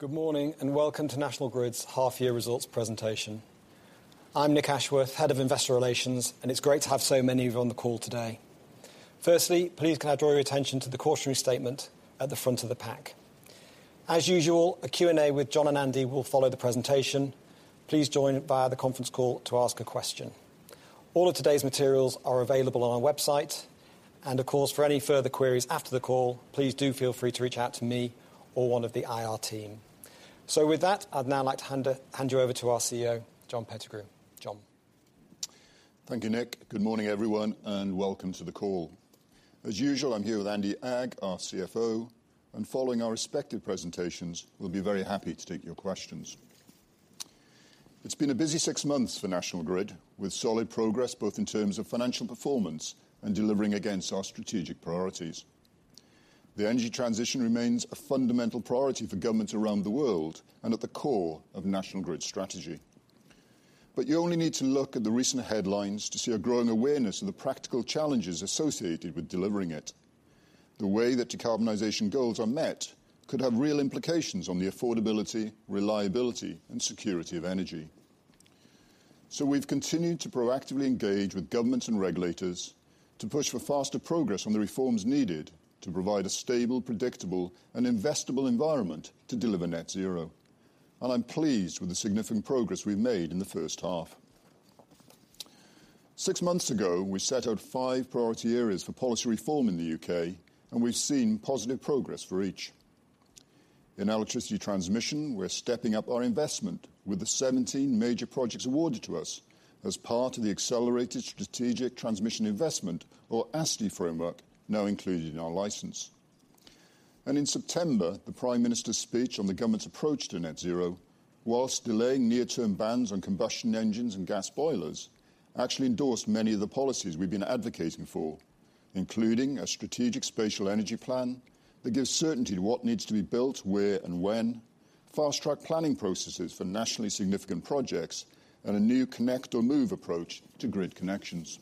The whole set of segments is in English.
Good morning, and welcome to National Grid's half-year results presentation. I'm Nick Ashworth, head of Investor Relations, and it's great to have so many of you on the call today. Firstly, please can I draw your attention to the cautionary statement at the front of the pack? As usual, a Q&A with John and Andy will follow the presentation. Please join via the Conference Call to ask a question. All of today's materials are available on our website, and of course, for any further queries after the call, please do feel free to reach out to me or one of the IR team. So with that, I'd now like to hand you over to our CEO, John Pettigrew. John. Thank you, Nick. Good morning, everyone, and welcome to the call. As usual, I'm here with Andy Agg, our CFO, and following our respective presentations, we'll be very happy to take your questions. It's been a busy six months for National Grid, with solid progress, both in terms of financial performance and delivering against our strategic priorities. The energy transition remains a fundamental priority for governments around the world and at the core of National Grid's strategy. But you only need to look at the recent headlines to see a growing awareness of the practical challenges associated with delivering it. The way that decarbonization goals are met could have real implications on the affordability, reliability, and security of energy. We've continued to proactively engage with governments and regulators to push for faster progress on the reforms needed to provide a stable, predictable, and investable environment to deliver net zero. I'm pleased with the significant progress we've made in the first half. Six months ago, we set out five priority areas for policy reform in the U.K., and we've seen positive progress for each. In electricity transmission, we're stepping up our investment with the 17 major projects awarded to us as part of the Accelerated Strategic Transmission Investment, or ASTI, framework, now included in our license. In September, the Prime Minister's speech on the government's approach to net zero, while delaying near-term bans on combustion engines and gas boilers, actually endorsed many of the policies we've been advocating for, including a Strategic Spatial Energy Plan that gives certainty to what needs to be built, where and when, fast-track planning processes for nationally significant projects, and a new connect or move approach to grid connections.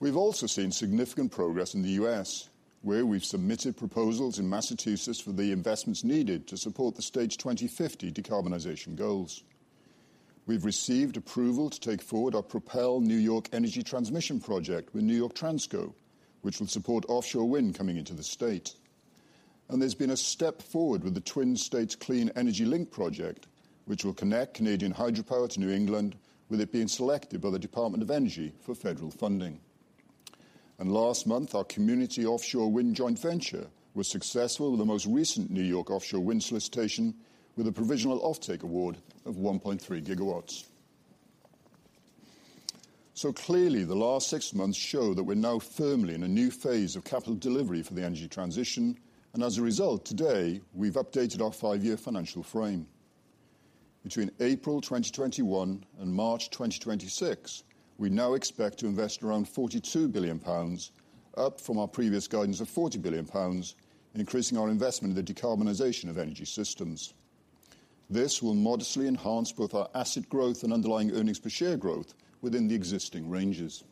We've also seen significant progress in the U.S., where we've submitted proposals in Massachusetts for the investments needed to support the stage 2050 decarbonization goals. We've received approval to take forward our Propel New York Energy Transmission project with New York Transco, which will support offshore wind coming into the state. There's been a step forward with the Twin States Clean Energy Link project, which will connect Canadian hydropower to New England, with it being selected by the Department of Energy for federal funding. Last month, our Community Offshore Wind joint venture was successful with the most recent New York offshore wind solicitation, with a provisional offtake award of 1.3 GW. Clearly, the last six months show that we're now firmly in a new phase of capital delivery for the energy transition, and as a result, today, we've updated our five-year financial frame. Between April 2021 and March 2026, we now expect to invest around 42 billion pounds, up from our previous guidance of 40 billion pounds, increasing our investment in the decarbonization of energy systems. This will modestly enhance both our asset growth and underlying earnings per share growth within the existing ranges.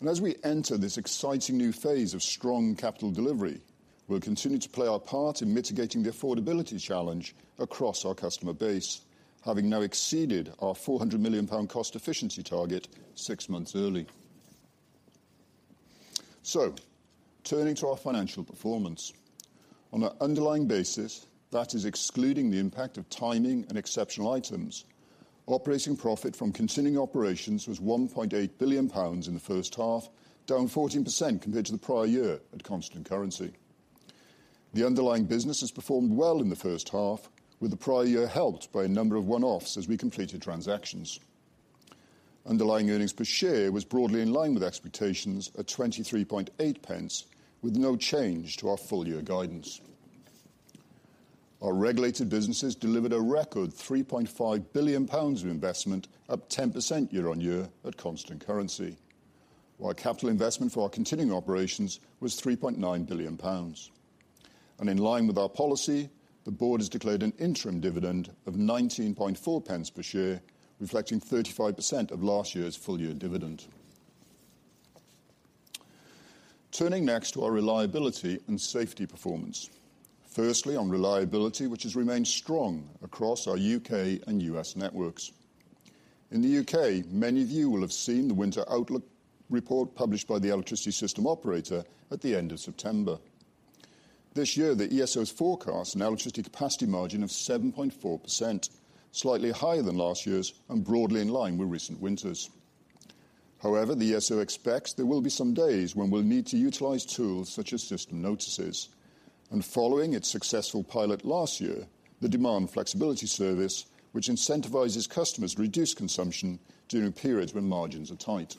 And as we enter this exciting new phase of strong capital delivery, we'll continue to play our part in mitigating the affordability challenge across our customer base, having now exceeded our 400 million pound cost efficiency target six months early. So, turning to our financial performance. On an underlying basis, that is excluding the impact of timing and exceptional items, operating profit from continuing operations was GBP 1.8 billion in the first half, down 14% compared to the prior year at constant currency. The underlying business has performed well in the first half, with the prior year helped by a number of one-offs as we completed transactions. Underlying earnings per share was broadly in line with expectations at 23.8 pence, with no change to our full-year guidance. Our regulated businesses delivered a record 3.5 billion pounds of investment, up 10% year-over-year at constant currency, while capital investment for our continuing operations was 3.9 billion pounds. In line with our policy, the board has declared an interim dividend of 19.4 pence per share, reflecting 35% of last year's full-year dividend. Turning next to our reliability and safety performance. Firstly, on reliability, which has remained strong across our U.K. and U.S. networks. In the U.K., many of you will have seen the Winter Outlook Report published by the Electricity System Operator at the end of September. This year, the ESO's forecast an electricity capacity margin of 7.4%, slightly higher than last year's and broadly in line with recent winters. However, the ESO expects there will be some days when we'll need to utilize tools such as system notices, and following its successful pilot last year, the Demand Flexibility Service, which incentivizes customers to reduce consumption during periods when margins are tight.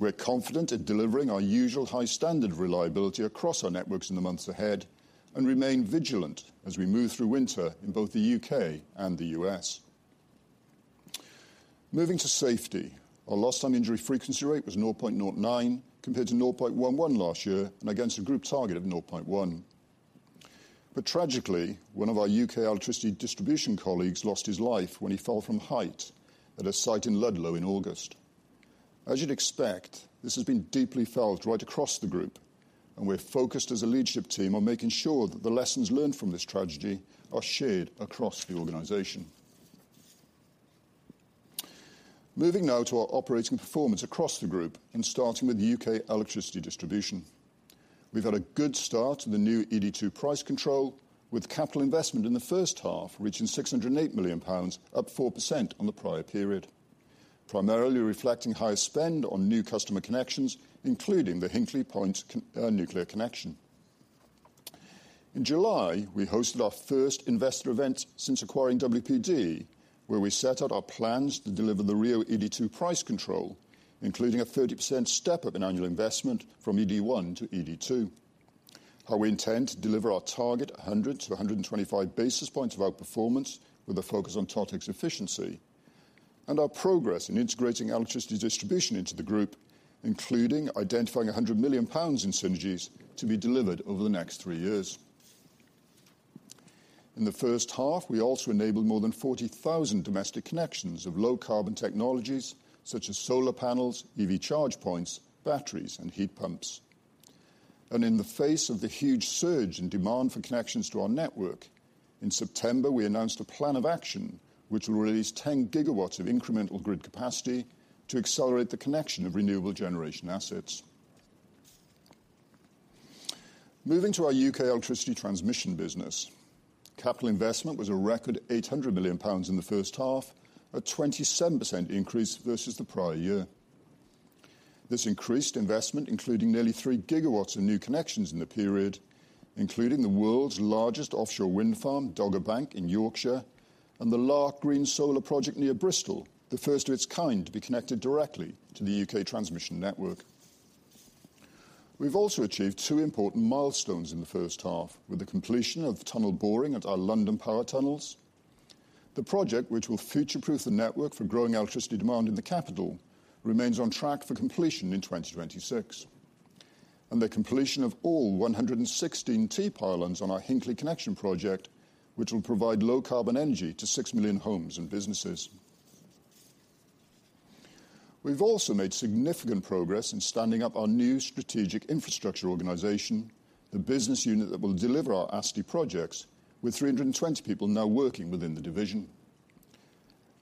We're confident in delivering our usual high standard of reliability across our networks in the months ahead and remain vigilant as we move through winter in both the U.K. and the U.S. Moving to safety. Our lost time injury frequency rate was 0.09, compared to 0.11 last year, and against a group target of 0.1. But tragically, one of our U.K. Electricity Distribution colleagues lost his life when he fell from height at a site in Ludlow in August. As you'd expect, this has been deeply felt right across the group, and we're focused as a leadership team on making sure that the lessons learned from this tragedy are shared across the organization. Moving now to our operating performance across the group and starting with the U.K. electricity distribution. We've had a good start to the new ED2 price control, with capital investment in the first half, reaching 608 million pounds, up 4% on the prior period. Primarily reflecting higher spend on new customer connections, including the Hinkley Point nuclear connection. In July, we hosted our first investor event since acquiring WPD, where we set out our plans to deliver the RIIO-ED2 price control, including a 30% step-up in annual investment from ED1 to ED2, how we intend to deliver our target 100-125 basis points of outperformance, with a focus on TotEx efficiency, and our progress in integrating electricity distribution into the group, including identifying 100 million pounds in synergies to be delivered over the next three years. In the first half, we also enabled more than 40,000 domestic connections of low-carbon technologies, such as solar panels, EV charge points, batteries, and heat pumps. In the face of the huge surge in demand for connections to our network, in September, we announced a plan of action, which will release 10 GW of incremental grid capacity to accelerate the connection of renewable generation assets. Moving to our U.K. electricity transmission business, capital investment was a record 800 million pounds in the first half, a 27% increase versus the prior year. This increased investment, including nearly 3 GW of new connections in the period, including the world's largest offshore wind farm, Dogger Bank in Yorkshire, and the Larks Green Solar Project near Bristol, the first of its kind to be connected directly to the U.K. transmission network. We've also achieved two important milestones in the first half, with the completion of tunnel boring at our London Power Tunnels. The project, which will future-proof the network for growing electricity demand in the capital, remains on track for completion in 2026, and the completion of all 116 T-pylons on our Hinkley Connection Project, which will provide low-carbon energy to 6 million homes and businesses. We've also made significant progress in standing up our new strategic infrastructure organization, the business unit that will deliver our ASTI projects, with 320 people now working within the division.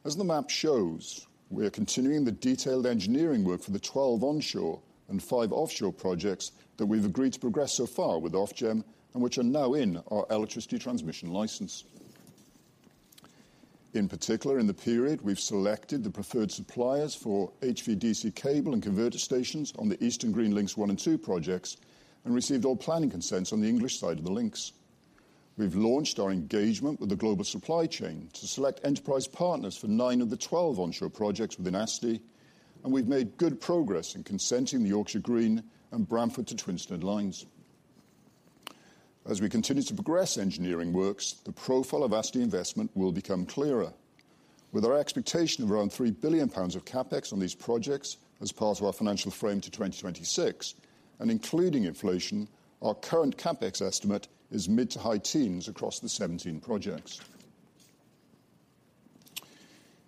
As the map shows, we are continuing the detailed engineering work for the 12 onshore and five offshore projects that we've agreed to progress so far with Ofgem, and which are now in our electricity transmission license. In particular, in the period, we've selected the preferred suppliers for HVDC cable and converter stations on the Eastern Green Links One and Two projects, and received all planning consents on the English side of the links. We've launched our engagement with the global supply chain to select enterprise partners for 9 of the 12 onshore projects within ASTI, and we've made good progress in consenting the Yorkshire Green and Bramford to Twinstead lines. As we continue to progress engineering works, the profile of ASTI investment will become clearer. With our expectation of around 3 billion pounds of CapEx on these projects as part of our financial frame to 2026, and including inflation, our current CapEx estimate is mid- to high teens across the 17 projects.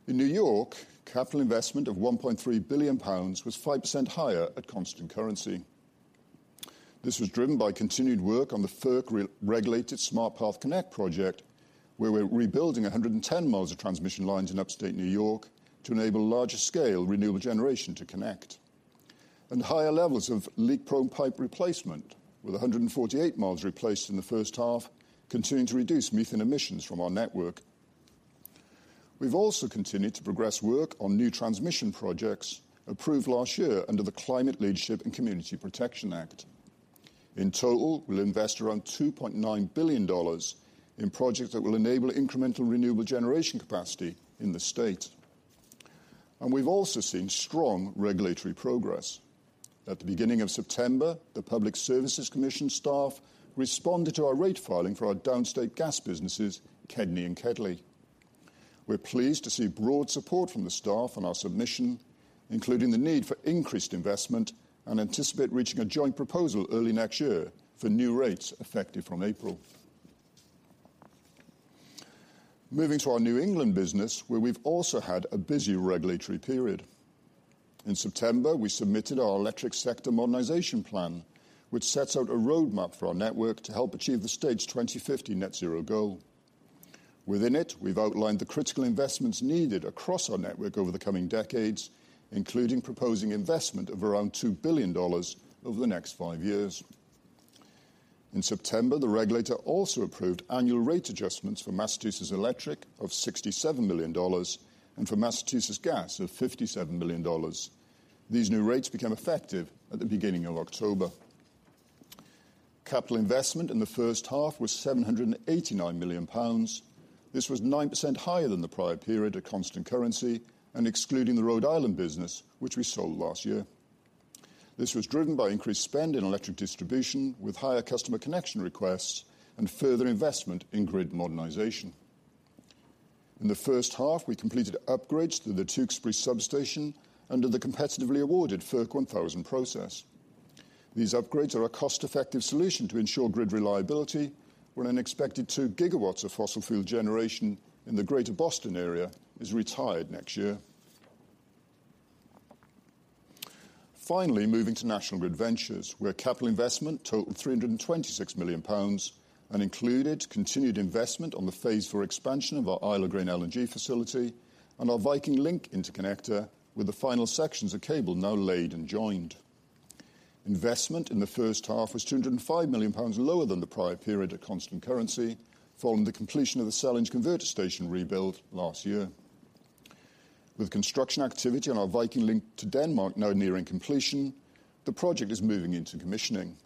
In New York, capital investment of 1.3 billion pounds was 5% higher at constant currency. This was driven by continued work on the FERC-regulated Smart Path Connect project, where we're rebuilding 110 miles of transmission lines in upstate New York to enable larger-scale renewable generation to connect. And higher levels of leak-prone pipe replacement, with 148 miles replaced in the first half, continuing to reduce methane emissions from our network. We've also continued to progress work on new transmission projects approved last year under the Climate Leadership and Community Protection Act. In total, we'll invest around $2.9 billion in projects that will enable incremental renewable generation capacity in the state. And we've also seen strong regulatory progress. At the beginning of September, the Public Service Commission staff responded to our rate filing for our downstate gas businesses, KEDNY and KEDLI. We're pleased to see broad support from the staff on our submission, including the need for increased investment, and anticipate reaching a joint proposal early next year for new rates effective from April. Moving to our New England business, where we've also had a busy regulatory period. In September, we submitted our Electric Sector Modernization Plan, which sets out a roadmap for our network to help achieve the state's 2050 net zero goal. Within it, we've outlined the critical investments needed across our network over the coming decades, including proposing investment of around $2 billion over the next five years. In September, the regulator also approved annual rate adjustments for Massachusetts Electric of $67 million and for Massachusetts Gas of $57 million. These new rates became effective at the beginning of October. Capital investment in the first half was 789 million pounds. This was 9% higher than the prior period at constant currency and excluding the Rhode Island business, which we sold last year. This was driven by increased spend in electric distribution, with higher customer connection requests and further investment in grid modernization. In the first half, we completed upgrades to the Tewksbury Substation under the competitively awarded FERC 1000 process. These upgrades are a cost-effective solution to ensure grid reliability, when an expected 2 GW of fossil fuel generation in the greater Boston area is retired next year. Finally, moving to National Grid Ventures, where capital investment totaled 326 million pounds, and included continued investment on the phase IV expansion of our Isle of Grain LNG facility and our Viking Link interconnector, with the final sections of cable now laid and joined. Investment in the first half was 205 million pounds lower than the prior period at constant currency, following the completion of the Sellindge converter station rebuild last year. With construction activity on our Viking Link to Denmark now nearing completion, the project is moving into commissioning.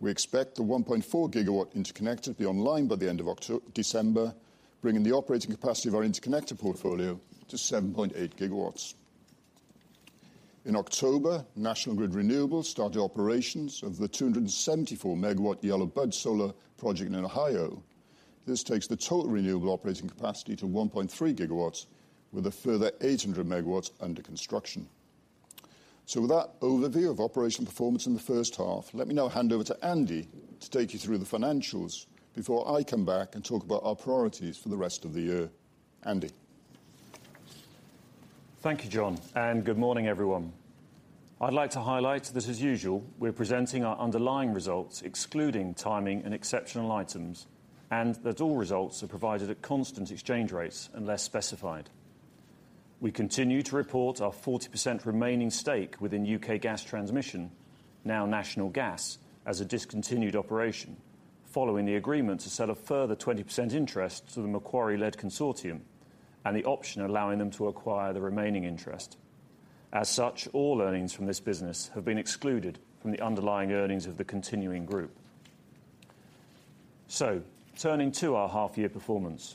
We expect the 1.4-gigawatt interconnector to be online by the end of October, bringing the operating capacity of our interconnector portfolio to 7.8 GW. In October, National Grid Renewables started operations of the 274-MW Yellowbud Solar Project in Ohio. This takes the total renewable operating capacity to 1.3 GW, with a further 800 MW under construction. So with that overview of operational performance in the first half, let me now hand over to Andy to take you through the financials before I come back and talk about our priorities for the rest of the year. Andy? Thank you, John, and good morning, everyone. I'd like to highlight that, as usual, we're presenting our underlying results, excluding timing and exceptional items, and that all results are provided at constant exchange rates, unless specified. We continue to report our 40% remaining stake within U.K. Gas Transmission, now National Gas, as a discontinued operation, following the agreement to sell a further 20% interest to the Macquarie-led consortium, and the option allowing them to acquire the remaining interest. As such, all earnings from this business have been excluded from the underlying earnings of the continuing group. So, turning to our half year performance,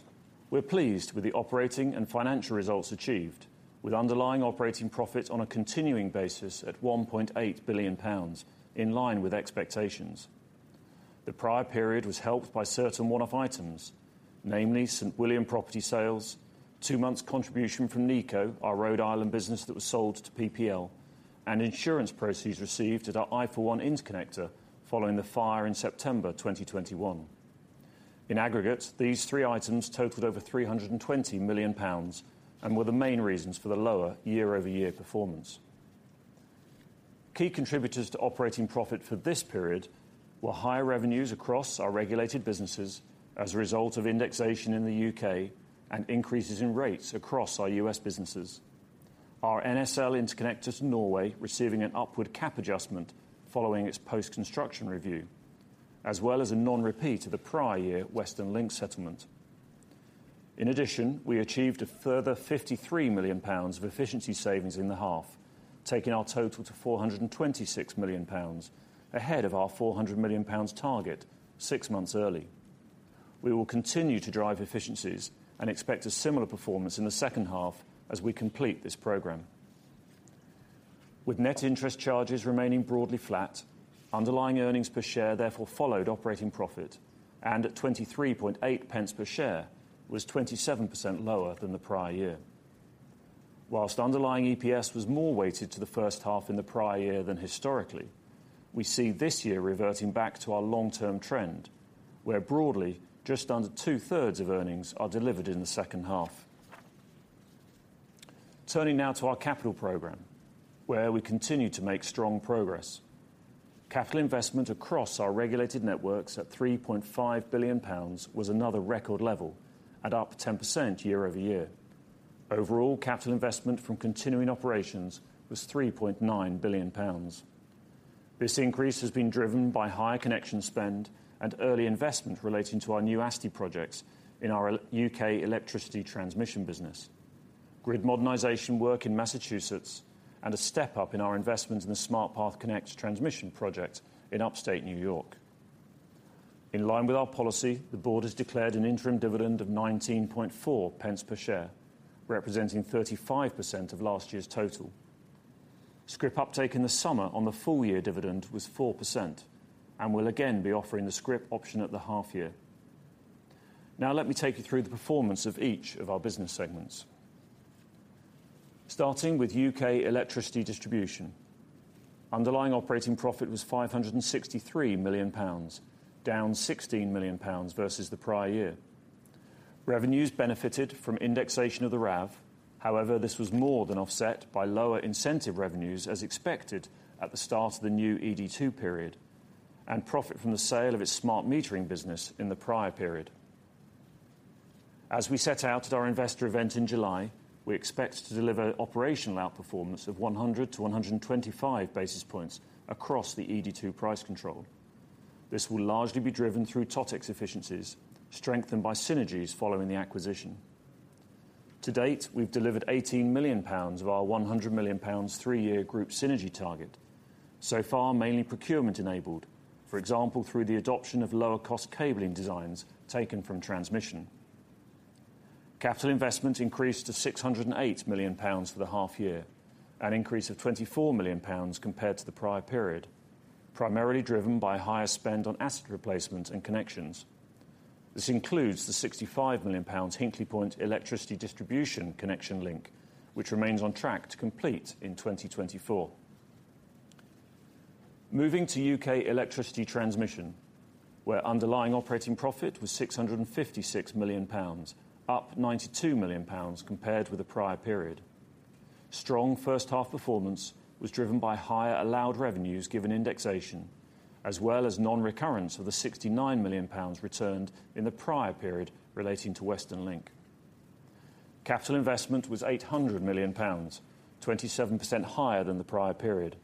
we're pleased with the operating and financial results achieved, with underlying operating profit on a continuing basis at GBP 1.8 billion, in line with expectations. The prior period was helped by certain one-off items, namely St. William property sales, two months' contribution from NECO, our Rhode Island business that was sold to PPL, and insurance proceeds received at our IFA interconnector following the fire in September 2021. In aggregate, these three items totaled over 320 million pounds, and were the main reasons for the lower year-over-year performance. Key contributors to operating profit for this period were higher revenues across our regulated businesses as a result of indexation in the U.K. and increases in rates across our U.S. businesses. Our NSL interconnector to Norway receiving an upward cap adjustment following its post-construction review, as well as a non-repeat of the prior year Western Link settlement. In addition, we achieved a further 53 million pounds of efficiency savings in the half, taking our total to 426 million pounds, ahead of our 400 million pounds target six months early. We will continue to drive efficiencies and expect a similar performance in the second half as we complete this program. With net interest charges remaining broadly flat, underlying earnings per share therefore followed operating profit, and at 23.8 pence per share, was 27% lower than the prior year. Whilst underlying EPS was more weighted to the first half in the prior year than historically, we see this year reverting back to our long-term trend, where broadly, just under two-thirds of earnings are delivered in the second half. Turning now to our capital program, where we continue to make strong progress. Capital investment across our regulated networks at 3.5 billion pounds was another record level, and up 10% year-over-year. Overall, capital investment from continuing operations was 3.9 billion pounds. This increase has been driven by higher connection spend and early investment relating to our new ASTI projects in our U.K. electricity transmission business, grid modernization work in Massachusetts, and a step up in our investment in the Smart Path Connect transmission project in upstate New York. In line with our policy, the board has declared an interim dividend of 0.194 per share, representing 35% of last year's total. Scrip uptake in the summer on the full year dividend was 4%, and we'll again be offering the scrip option at the half year. Now, let me take you through the performance of each of our business segments. Starting with U.K. Electricity Distribution. Underlying operating profit was 563 million pounds, down 16 million pounds versus the prior year. Revenues benefited from indexation of the RAV. However, this was more than offset by lower incentive revenues, as expected at the start of the new ED2 period, and profit from the sale of its smart metering business in the prior period. As we set out at our investor event in July, we expect to deliver operational outperformance of 100-125 basis points across the ED2 price control. This will largely be driven through totex efficiencies, strengthened by synergies following the acquisition. To date, we've delivered 18 million pounds of our 100 million pounds three-year group synergy target, so far, mainly procurement enabled, for example, through the adoption of lower-cost cabling designs taken from transmission. Capital investment increased to 608 million pounds for the half year, an increase of 24 million pounds compared to the prior period, primarily driven by higher spend on asset replacement and connections.... This includes the GBP 65 million Hinkley Point electricity distribution connection link, which remains on track to complete in 2024. Moving to U.K. electricity transmission, where underlying operating profit was 656 million pounds, up 92 million pounds compared with the prior period. Strong first half performance was driven by higher allowed revenues, given indexation, as well as non-recurrence of the 69 million pounds returned in the prior period relating to Western Link. Capital investment was 800 million pounds, 27% higher than the prior period.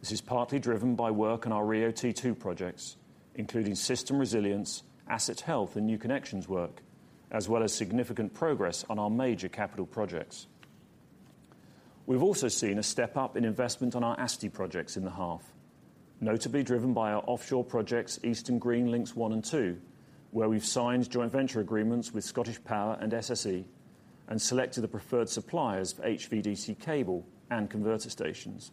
This is partly driven by work in our RIIO-T2 projects, including system resilience, asset health, and new connections work, as well as significant progress on our major capital projects. We've also seen a step up in investment on our ASTI projects in the half, notably driven by our offshore projects, Eastern Green Link 1 and 2, where we've signed joint venture agreements with ScottishPower and SSE, and selected the preferred suppliers of HVDC cable and converter stations.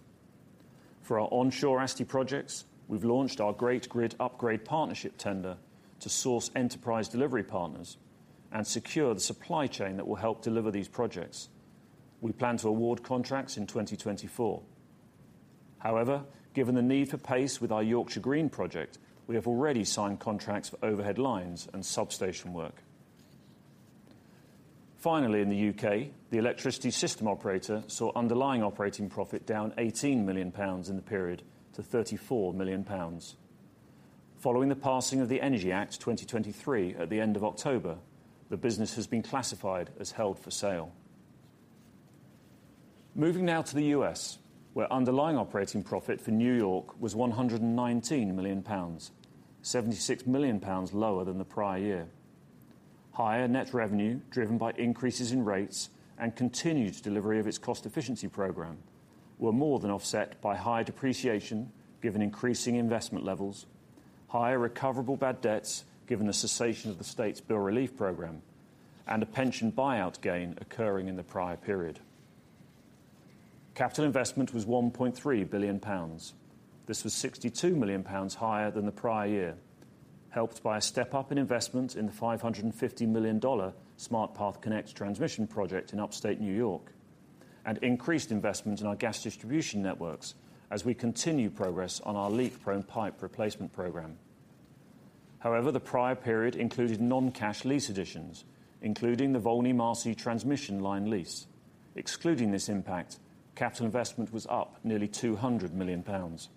For our onshore ASTI projects, we've launched our Great Grid Upgrade Partnership tender to source enterprise delivery partners and secure the supply chain that will help deliver these projects. We plan to award contracts in 2024. However, given the need for pace with our Yorkshire Green project, we have already signed contracts for overhead lines and substation work. Finally, in the U.K., the electricity system operator saw underlying operating profit down 18 million pounds in the period to 34 million pounds. Following the passing of the Energy Act 2023 at the end of October, the business has been classified as held for sale. Moving now to the U.S., where underlying operating profit for New York was 119 million pounds, 76 million pounds lower than the prior year. Higher net revenue, driven by increases in rates and continued delivery of its cost efficiency program, were more than offset by higher depreciation, given increasing investment levels, higher recoverable bad debts, given the cessation of the state's bill relief program, and a pension buyout gain occurring in the prior period. Capital investment was 1.3 billion pounds. This was 62 million pounds higher than the prior year, helped by a step up in investment in the $550 million Smart Path Connect transmission project in upstate New York, and increased investment in our gas distribution networks as we continue progress on our leak-prone pipe replacement program. However, the prior period included non-cash lease additions, including the Volney-Marcy transmission line lease. Excluding this impact, capital investment was up nearly 200 million pounds.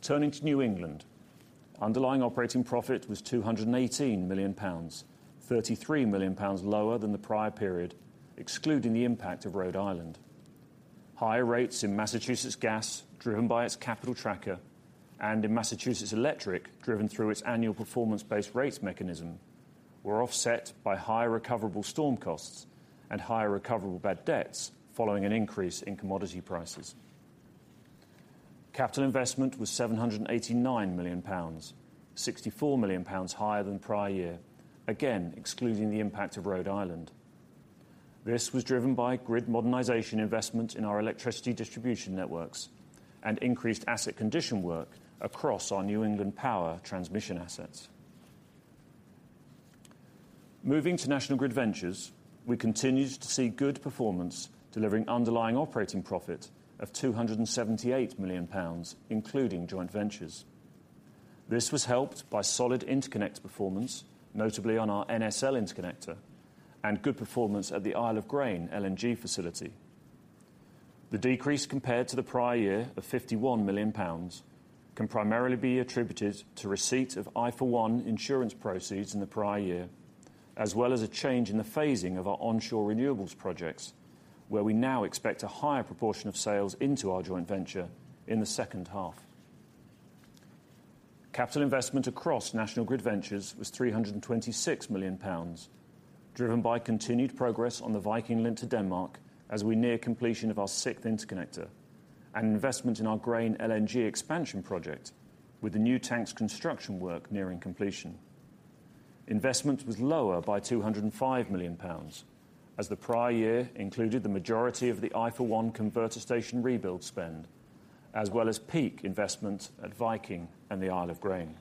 Turning to New England, underlying operating profit was 218 million pounds, 33 million pounds lower than the prior period, excluding the impact of Rhode Island. Higher rates in Massachusetts Gas, driven by its capital tracker, and in Massachusetts Electric, driven through its annual performance-based rates mechanism, were offset by higher recoverable storm costs and higher recoverable bad debts, following an increase in commodity prices. Capital investment was 789 million pounds, 64 million pounds higher than prior year, again, excluding the impact of Rhode Island. This was driven by grid modernization investment in our electricity distribution networks and increased asset condition work across our New England power transmission assets. Moving to National Grid Ventures, we continued to see good performance, delivering underlying operating profit of 278 million pounds, including joint ventures. This was helped by solid interconnect performance, notably on our NSL interconnector, and good performance at the Isle of Grain LNG facility. The decrease compared to the prior year of 51 million pounds can primarily be attributed to receipt of ElecLink insurance proceeds in the prior year, as well as a change in the phasing of our onshore renewables projects, where we now expect a higher proportion of sales into our joint venture in the second half. Capital investment across National Grid Ventures was 326 million pounds, driven by continued progress on the Viking Link to Denmark as we near completion of our sixth interconnector, and investment in our Grain LNG expansion project, with the new tank's construction work nearing completion. Investment was lower by 205 million pounds, as the prior year included the majority of the ElecLink converter station rebuild spend, as well as peak investment at Viking Link and the Isle of Grain.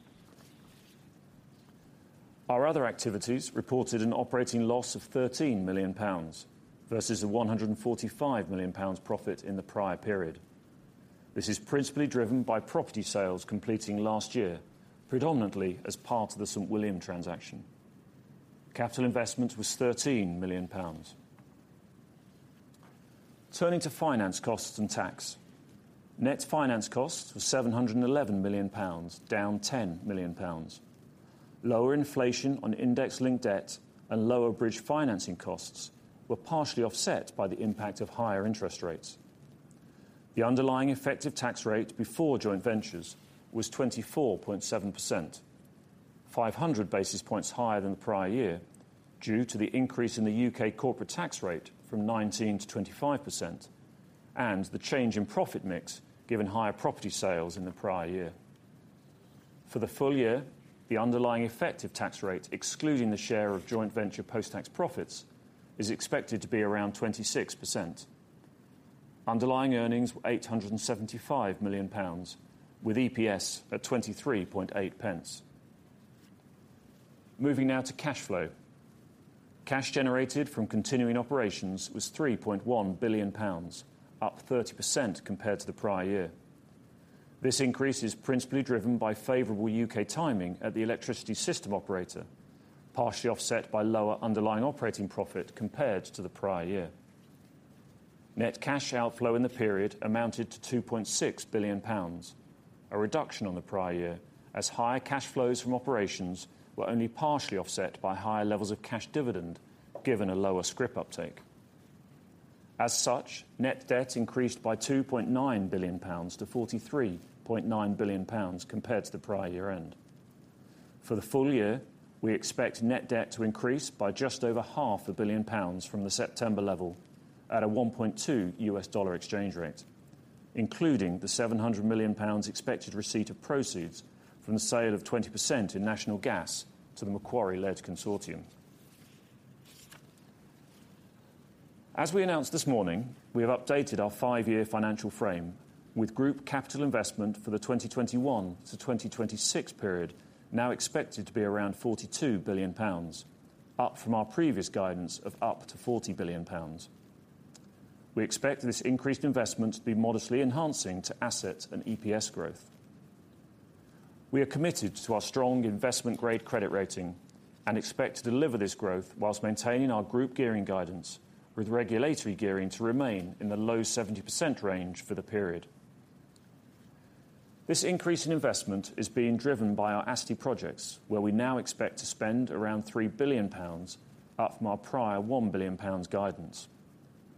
Our other activities reported an operating loss of GBP 13 million versus a GBP 145 million profit in the prior period. This is principally driven by property sales completing last year, predominantly as part of the St. William transaction. Capital investment was GBP 13 million. Turning to finance costs and tax. Net finance costs were 711 million pounds, down 10 million pounds. Lower inflation on index linked debt and lower bridge financing costs were partially offset by the impact of higher interest rates. The underlying effective tax rate before joint ventures was 24.7%, 500 basis points higher than the prior year, due to the increase in the U.K. corporate tax rate from 19% to 25%, and the change in profit mix, given higher property sales in the prior year. For the full year, the underlying effective tax rate, excluding the share of joint venture post-tax profits, is expected to be around 26%.... Underlying earnings were 875 million pounds, with EPS at 23.8 pence. Moving now to cash flow. Cash generated from continuing operations was 3.1 billion pounds, up 30% compared to the prior year. This increase is principally driven by favorable U.K. timing at the electricity system operator, partially offset by lower underlying operating profit compared to the prior year. Net cash outflow in the period amounted to 2.6 billion pounds, a reduction on the prior year, as higher cash flows from operations were only partially offset by higher levels of cash dividend, given a lower scrip uptake. As such, net debt increased by 2.9 billion-43.9 billion pounds compared to the prior year end. For the full year, we expect net debt to increase by just over 0.5 billion pounds from the September level at a 1.2 U.S. dollar exchange rate, including the 700 million pounds expected receipt of proceeds from the sale of 20% in National Gas to the Macquarie-led consortium. As we announced this morning, we have updated our five-year financial frame, with group capital investment for the 2021 to 2026 period now expected to be around 42 billion pounds, up from our previous guidance of up to 40 billion pounds. We expect this increased investment to be modestly enhancing to asset and EPS growth. We are committed to our strong investment-grade credit rating and expect to deliver this growth while maintaining our group gearing guidance, with regulatory gearing to remain in the low 70% range for the period. This increase in investment is being driven by our ASTI projects, where we now expect to spend around 3 billion pounds, up from our prior 1 billion pounds guidance,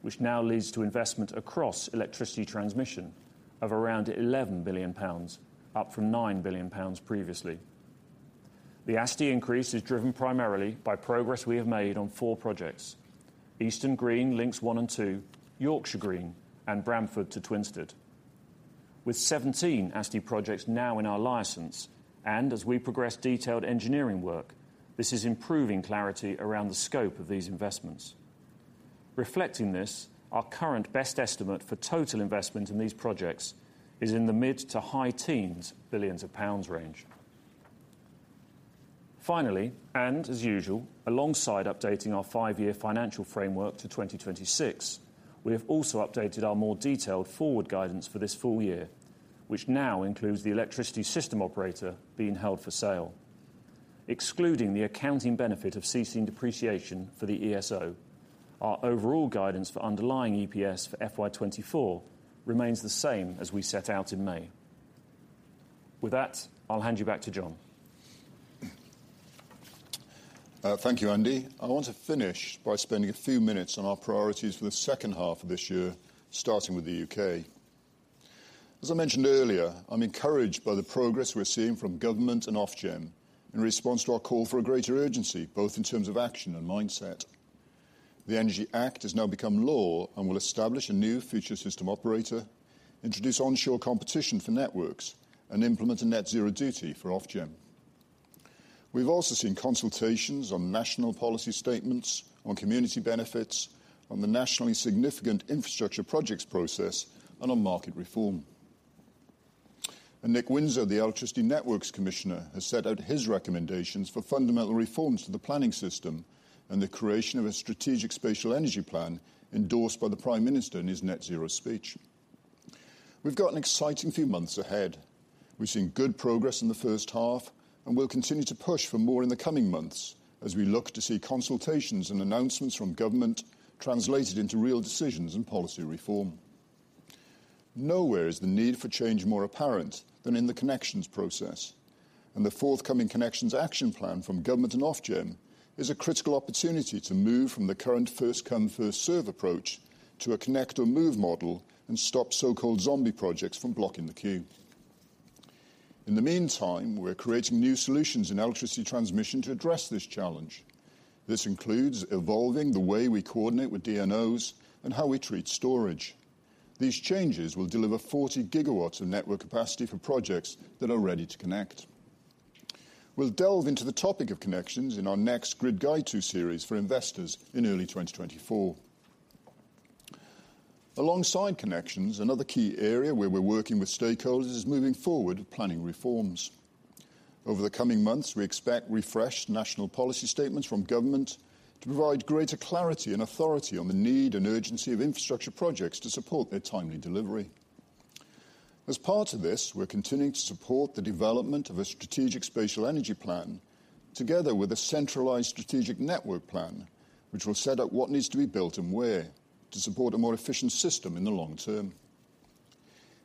which now leads to investment across electricity transmission of around 11 billion pounds, up from 9 billion pounds previously. The ASTI increase is driven primarily by progress we have made on four projects: Eastern Green Link 1 and 2, Yorkshire Green, and Bramford to Twinstead. With 17 ASTI projects now in our license, and as we progress detailed engineering work, this is improving clarity around the scope of these investments. Reflecting this, our current best estimate for total investment in these projects is in the mid- to high-teens billions of GBP range. Finally, and as usual, alongside updating our five-year financial framework to 2026, we have also updated our more detailed forward guidance for this full year, which now includes the Electricity System Operator being held for sale. Excluding the accounting benefit of ceasing depreciation for the ESO, our overall guidance for underlying EPS for FY 2024 remains the same as we set out in May. With that, I'll hand you back to John. Thank you, Andy. I want to finish by spending a few minutes on our priorities for the second half of this year, starting with the U.K. As I mentioned earlier, I'm encouraged by the progress we're seeing from government and Ofgem in response to our call for a greater urgency, both in terms of action and mindset. The Energy Act has now become law and will establish a new future system operator, introduce onshore competition for networks, and implement a net zero duty for Ofgem. We've also seen consultations on National Policy Statements, on community benefits, on the Nationally Significant Infrastructure Projects process, and on market reform. And Nick Winser, the Electricity Networks Commissioner, has set out his recommendations for fundamental reforms to the planning system and the creation of a Strategic Spatial Energy Plan, endorsed by the Prime Minister in his net zero speech. We've got an exciting few months ahead. We've seen good progress in the first half, and we'll continue to push for more in the coming months as we look to see consultations and announcements from government translated into real decisions and policy reform. Nowhere is the need for change more apparent than in the connections process, and the forthcoming Connections Action Plan from government and Ofgem is a critical opportunity to move from the current first-come, first-served approach to a connect or move model and stop so-called zombie projects from blocking the queue. In the meantime, we're creating new solutions in electricity transmission to address this challenge. This includes evolving the way we coordinate with DNOs and how we treat storage. These changes will deliver 40 GW of network capacity for projects that are ready to connect. We'll delve into the topic of connections in our next Grid Guide 2 series for investors in early 2024. Alongside connections, another key area where we're working with stakeholders is moving forward with planning reforms. Over the coming months, we expect refreshed National Policy Statements from government to provide greater clarity and authority on the need and urgency of infrastructure projects to support their timely delivery. As part of this, we're continuing to support the development of a Strategic Spatial Energy Plan, together with a Centralised Strategic Network Plan, which will set out what needs to be built and where to support a more efficient system in the long-term.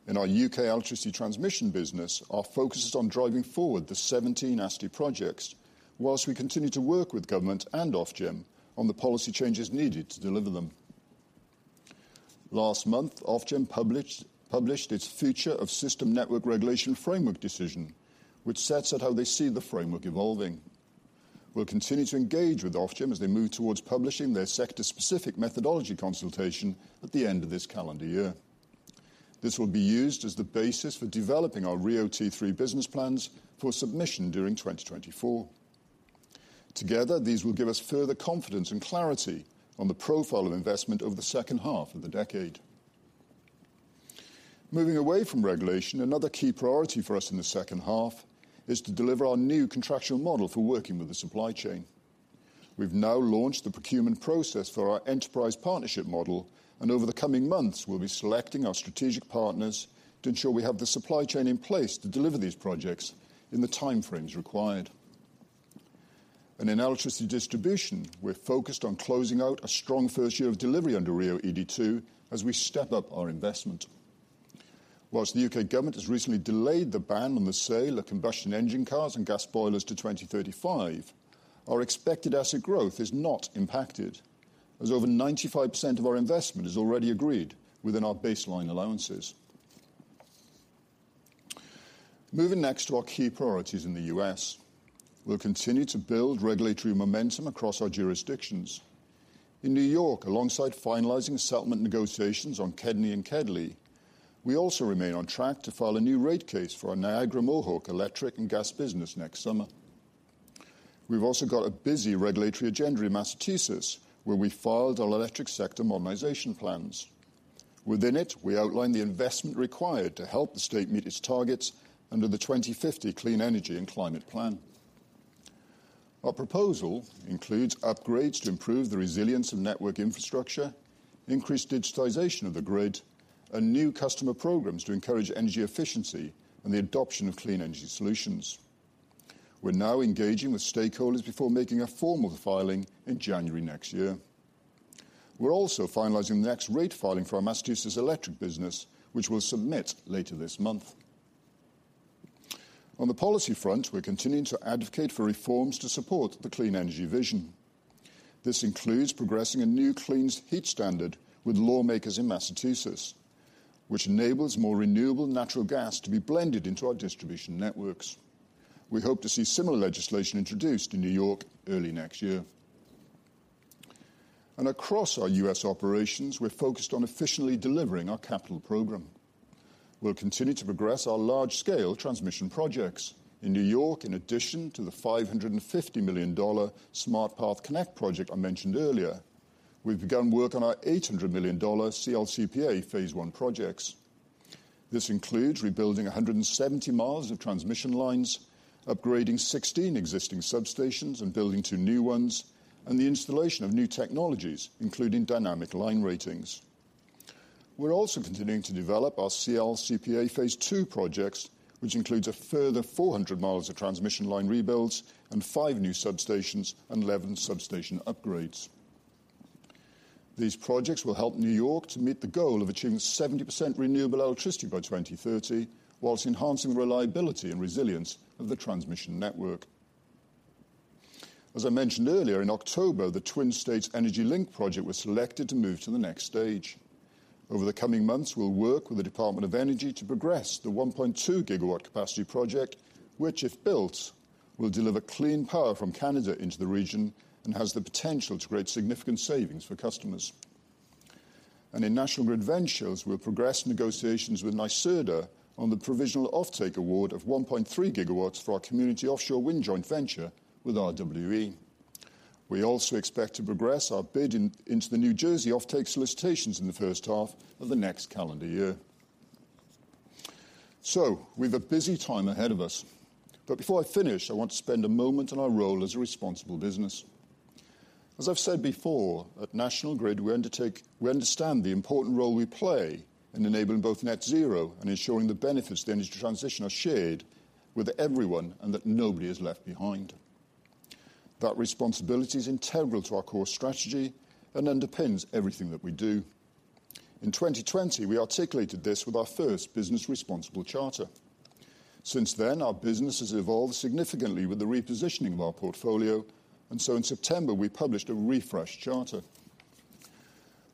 In our U.K. electricity transmission business, our focus is on driving forward the 17 ASTI projects, whilst we continue to work with government and Ofgem on the policy changes needed to deliver them. Last month, Ofgem published its Future Systems and Networks Regulation framework decision, which sets out how they see the framework evolving. We'll continue to engage with Ofgem as they move towards publishing their sector-specific methodology consultation at the end of this calendar year. This will be used as the basis for developing our RIIO-T3 business plans for submission during 2024.... Together, these will give us further confidence and clarity on the profile of investment over the second half of the decade. Moving away from regulation, another key priority for us in the second half is to deliver our new contractual model for working with the supply chain. We've now launched the procurement process for our enterprise partnership model, and over the coming months, we'll be selecting our strategic partners to ensure we have the supply chain in place to deliver these projects in the time frames required. In electricity distribution, we're focused on closing out a strong first year of delivery under RIIO-ED2 as we step up our investment. Whilst the U.K. government has recently delayed the ban on the sale of combustion engine cars and gas boilers to 2035, our expected asset growth is not impacted, as over 95% of our investment is already agreed within our baseline allowances. Moving next to our key priorities in the U.S. We'll continue to build regulatory momentum across our jurisdictions. In New York, alongside finalizing settlement negotiations on KEDNY and KEDLI, we also remain on track to file a new rate case for our Niagara Mohawk electric and gas business next summer. We've also got a busy regulatory agenda in Massachusetts, where we filed our electric sector modernization plans. Within it, we outlined the investment required to help the state meet its targets under the 2050 Clean Energy and Climate Plan. Our proposal includes upgrades to improve the resilience of network infrastructure, increased digitization of the grid, and new customer programs to encourage energy efficiency and the adoption of clean energy solutions. We're now engaging with stakeholders before making a formal filing in January next year. We're also finalizing the next rate filing for our Massachusetts electric business, which we'll submit later this month. On the policy front, we're continuing to advocate for reforms to support the clean energy vision. This includes progressing a new Clean Heat Standard with lawmakers in Massachusetts, which enables more renewable natural gas to be blended into our distribution networks. We hope to see similar legislation introduced in New York early next year. Across our U.S. operations, we're focused on efficiently delivering our capital program. We'll continue to progress our large-scale transmission projects. In New York, in addition to the $550 million Smart Path Connect project I mentioned earlier, we've begun work on our $800 million CLCPA Phase One projects. This includes rebuilding 170 miles of transmission lines, upgrading 16 existing substations, and building two new ones, and the installation of new technologies, including dynamic line ratings. We're also continuing to develop our CLCPA Phase Two projects, which includes a further 400 miles of transmission line rebuilds and 5 new substations and 11 substation upgrades. These projects will help New York to meet the goal of achieving 70% renewable electricity by 2030, while enhancing the reliability and resilience of the transmission network. As I mentioned earlier, in October, the Twin States Clean Energy Link project was selected to move to the next stage. Over the coming months, we'll work with the Department of Energy to progress the 1.2 GW capacity project, which, if built, will deliver clean power from Canada into the region and has the potential to create significant savings for customers. In National Grid Ventures, we'll progress negotiations with NYSERDA on the provisional offtake award of 1.3 GW for our Community Offshore Wind joint venture with RWE. We also expect to progress our bid in, into the New Jersey offtake solicitations in the first half of the next calendar year. We've a busy time ahead of us, but before I finish, I want to spend a moment on our role as a responsible business. As I've said before, at National Grid, we understand the important role we play in enabling both net zero and ensuring the benefits of the energy transition are shared with everyone and that nobody is left behind. That responsibility is integral to our core strategy and underpins everything that we do. In 2020, we articulated this with our first Business Responsible Charter. Since then, our business has evolved significantly with the repositioning of our portfolio, and so in September, we published a refreshed charter.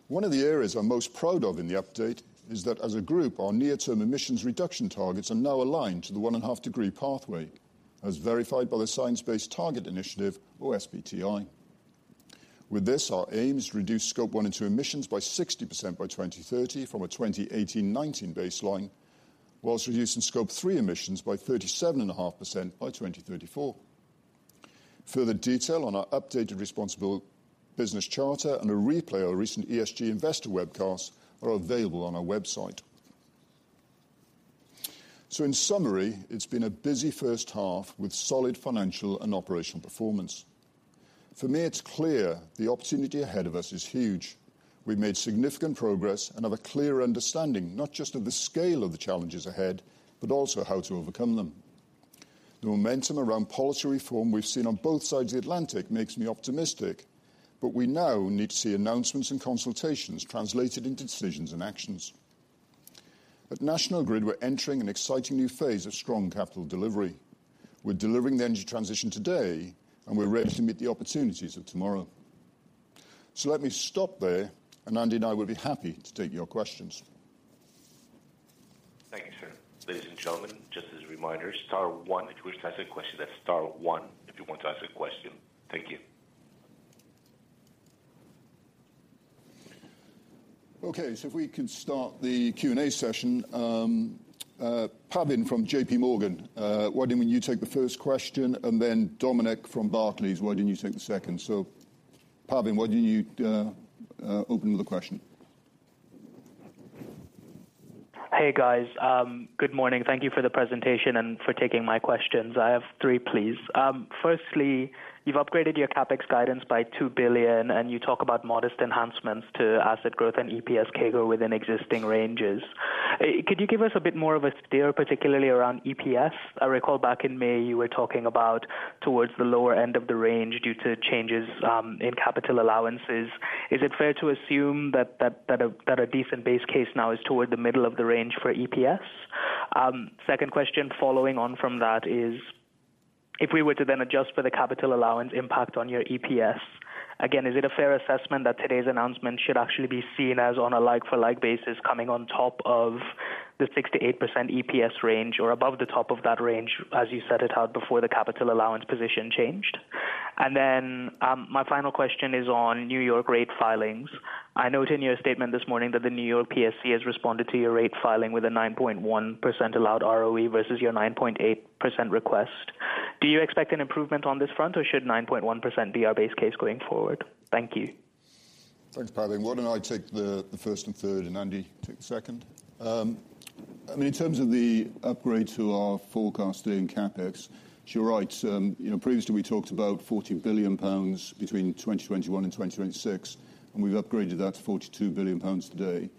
One of the areas I'm most proud of in the update is that, as a group, our near-term emissions reduction targets are now aligned to the 1.5-degree pathway, as verified by the Science Based Target Initiative, or SBTi. With this, our aim is to reduce Scope 1 and 2 emissions by 60% by 2030, from a 2018-19 baseline, while reducing Scope 3 emissions by 37.5% by 2034. Further detail on our updated Responsible Business Charter and a replay of recent ESG investor webcasts are available on our website. In summary, it's been a busy first half with solid financial and operational performance. For me, it's clear the opportunity ahead of us is huge. We've made significant progress and have a clear understanding, not just of the scale of the challenges ahead, but also how to overcome them. The momentum around policy reform we've seen on both sides of the Atlantic makes me optimistic, but we now need to see announcements and consultations translated into decisions and actions. At National Grid, we're entering an exciting new phase of strong capital delivery. We're delivering the energy transition today, and we're ready to meet the opportunities of tomorrow. Let me stop there, and Andy and I will be happy to take your questions. Thank you, sir. Ladies and gentlemen, just as a reminder, star one. If you wish to ask a question, that's star one, if you want to ask a question. Thank you.... Okay, so if we could start the Q&A session. Pavan from J.P. Morgan, why don't you take the first question? And then Dominic from Barclays, why don't you take the second. So, Pavan, why don't you open with the question? Hey, guys. Good morning. Thank you for the presentation and for taking my questions. I have three, please. Firstly, you've upgraded your CapEx guidance by 2 billion, and you talk about modest enhancements to asset growth and EPS CAGR within existing ranges. Could you give us a bit more of a steer, particularly around EPS? I recall back in May, you were talking about towards the lower end of the range due to changes in capital allowances. Is it fair to assume that a decent base case now is toward the middle of the range for EPS? Second question, following on from that is, if we were to then adjust for the capital allowance impact on your EPS, again, is it a fair assessment that today's announcement should actually be seen as on a like-for-like basis, coming on top of the 6%-8% EPS range or above the top of that range, as you set it out before the capital allowance position changed? And then, my final question is on New York rate filings. I note in your statement this morning that the New York PSC has responded to your rate filing with a 9.1% allowed ROE versus your 9.8% request. Do you expect an improvement on this front, or should 9.1% be our base case going forward? Thank you. Thanks, Pavan. Why don't I take the first and third, and Andy, take the second? I mean, in terms of the upgrade to our forecasting CapEx, you're right. You know, previously, we talked about 40 billion pounds between 2021 and 2026, and we've upgraded that to 42 billion pounds today.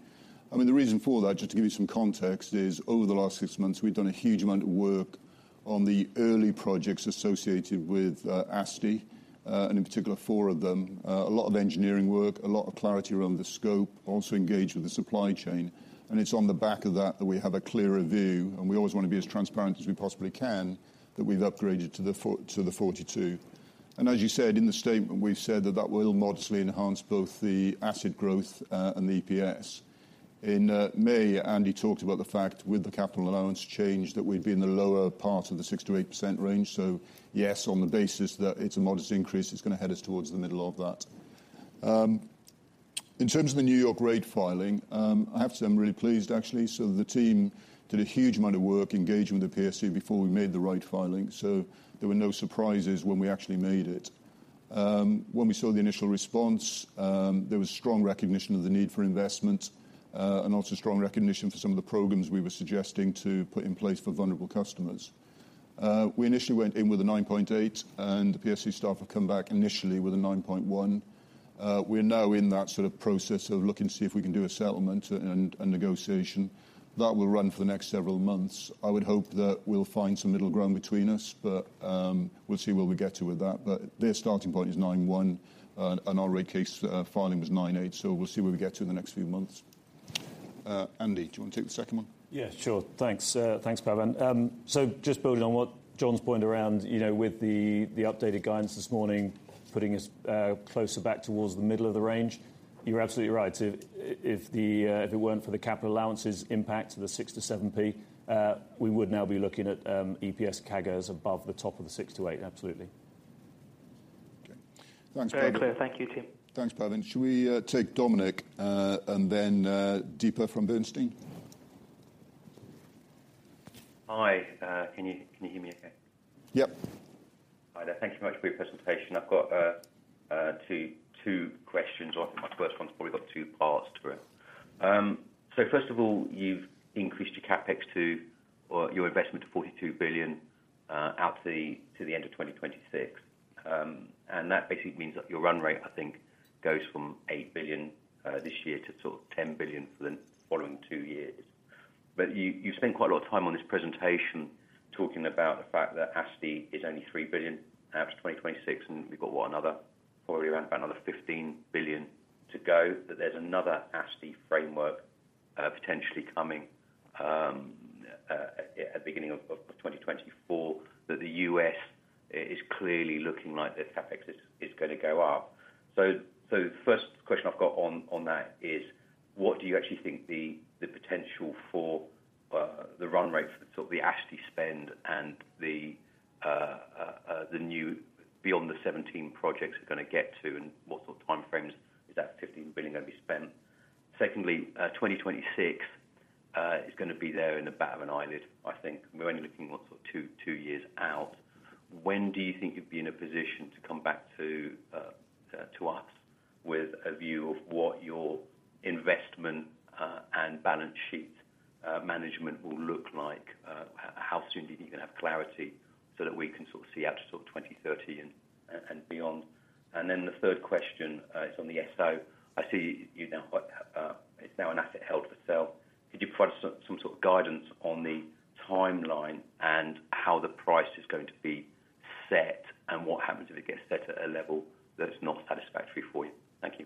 I mean, the reason for that, just to give you some context, is over the last six months, we've done a huge amount of work on the early projects associated with ASTI, and in particular, four of them. A lot of engineering work, a lot of clarity around the scope, also engaged with the supply chain, and it's on the back of that, that we have a clearer view, and we always want to be as transparent as we possibly can, that we've upgraded to the 42. As you said in the statement, we've said that that will modestly enhance both the asset growth and the EPS. In May, Andy talked about the fact, with the capital allowance change, that we'd be in the lower part of the 6%-8% range. Yes, on the basis that it's a modest increase, it's gonna head us towards the middle of that. In terms of the New York rate filing, I have to say I'm really pleased, actually. The team did a huge amount of work engaging with the PSC before we made the rate filing, so there were no surprises when we actually made it. When we saw the initial response, there was strong recognition of the need for investment, and also strong recognition for some of the programs we were suggesting to put in place for vulnerable customers. We initially went in with a 9.8, and the PSC staff have come back initially with a 9.1. We're now in that sort of process of looking to see if we can do a settlement and negotiation. That will run for the next several months. I would hope that we'll find some middle ground between us, but we'll see where we get to with that. But their starting point is 9.1, and our rate case filing was 9.8. So we'll see where we get to in the next few months. Andy, do you want to take the second one? Yeah, sure. Thanks, thanks, Pavan. So just building on what John's point around, you know, with the updated guidance this morning, putting us closer back towards the middle of the range. You're absolutely right. So if it weren't for the capital allowances impact to the 6-7p, we would now be looking at EPS CAGRs above the top of the six-eight. Absolutely. Okay. Thanks, Pavan. Very clear. Thank you, team. Thanks, Pavan. Should we take Dominic, and then Deepa from Bernstein? Hi, can you hear me okay? Yep. Hi there. Thank you very much for your presentation. I've got two, two questions, or my first one's probably got two parts to it. So first of all, you've increased your CapEx to, or your investment to 42 billion, out to the end of 2026. And that basically means that your run rate, I think, goes from 8 billion this year to sort of 10 billion for the following two years. But you, you've spent quite a lot of time on this presentation talking about the fact that ASTI is only 3 billion after 2026, and we've got what another, probably around about another 15 billion to go, that there's another ASTI framework, potentially coming, at, at the beginning of, of 2024, that the U.S. is clearly looking like this CapEx is, is gonna go up. So, the first question I've got on, on that is: What do you actually think the, the potential for, the run rate for sort of the ASTI spend and the the new beyond the 17 projects are gonna get to, and what sort of timeframes is that 15 billion going to be spent? Secondly, 2026, is gonna be there in the bat of an eyelid, I think. We're only looking what? Sort of two, two years out. When do you think you'd be in a position to come back to, to us with a view of what your investment, and balance sheet, management will look like? How soon do you think you're gonna have clarity so that we can sort of see out to sort of 2030 and, and beyond? And then the third question, is on the SO. I see you now, it's now an asset held for sale. Could you provide some, some sort of guidance on the timeline and how the price is going to be set, and what happens if it gets set at a level that is not satisfactory for you? Thank you.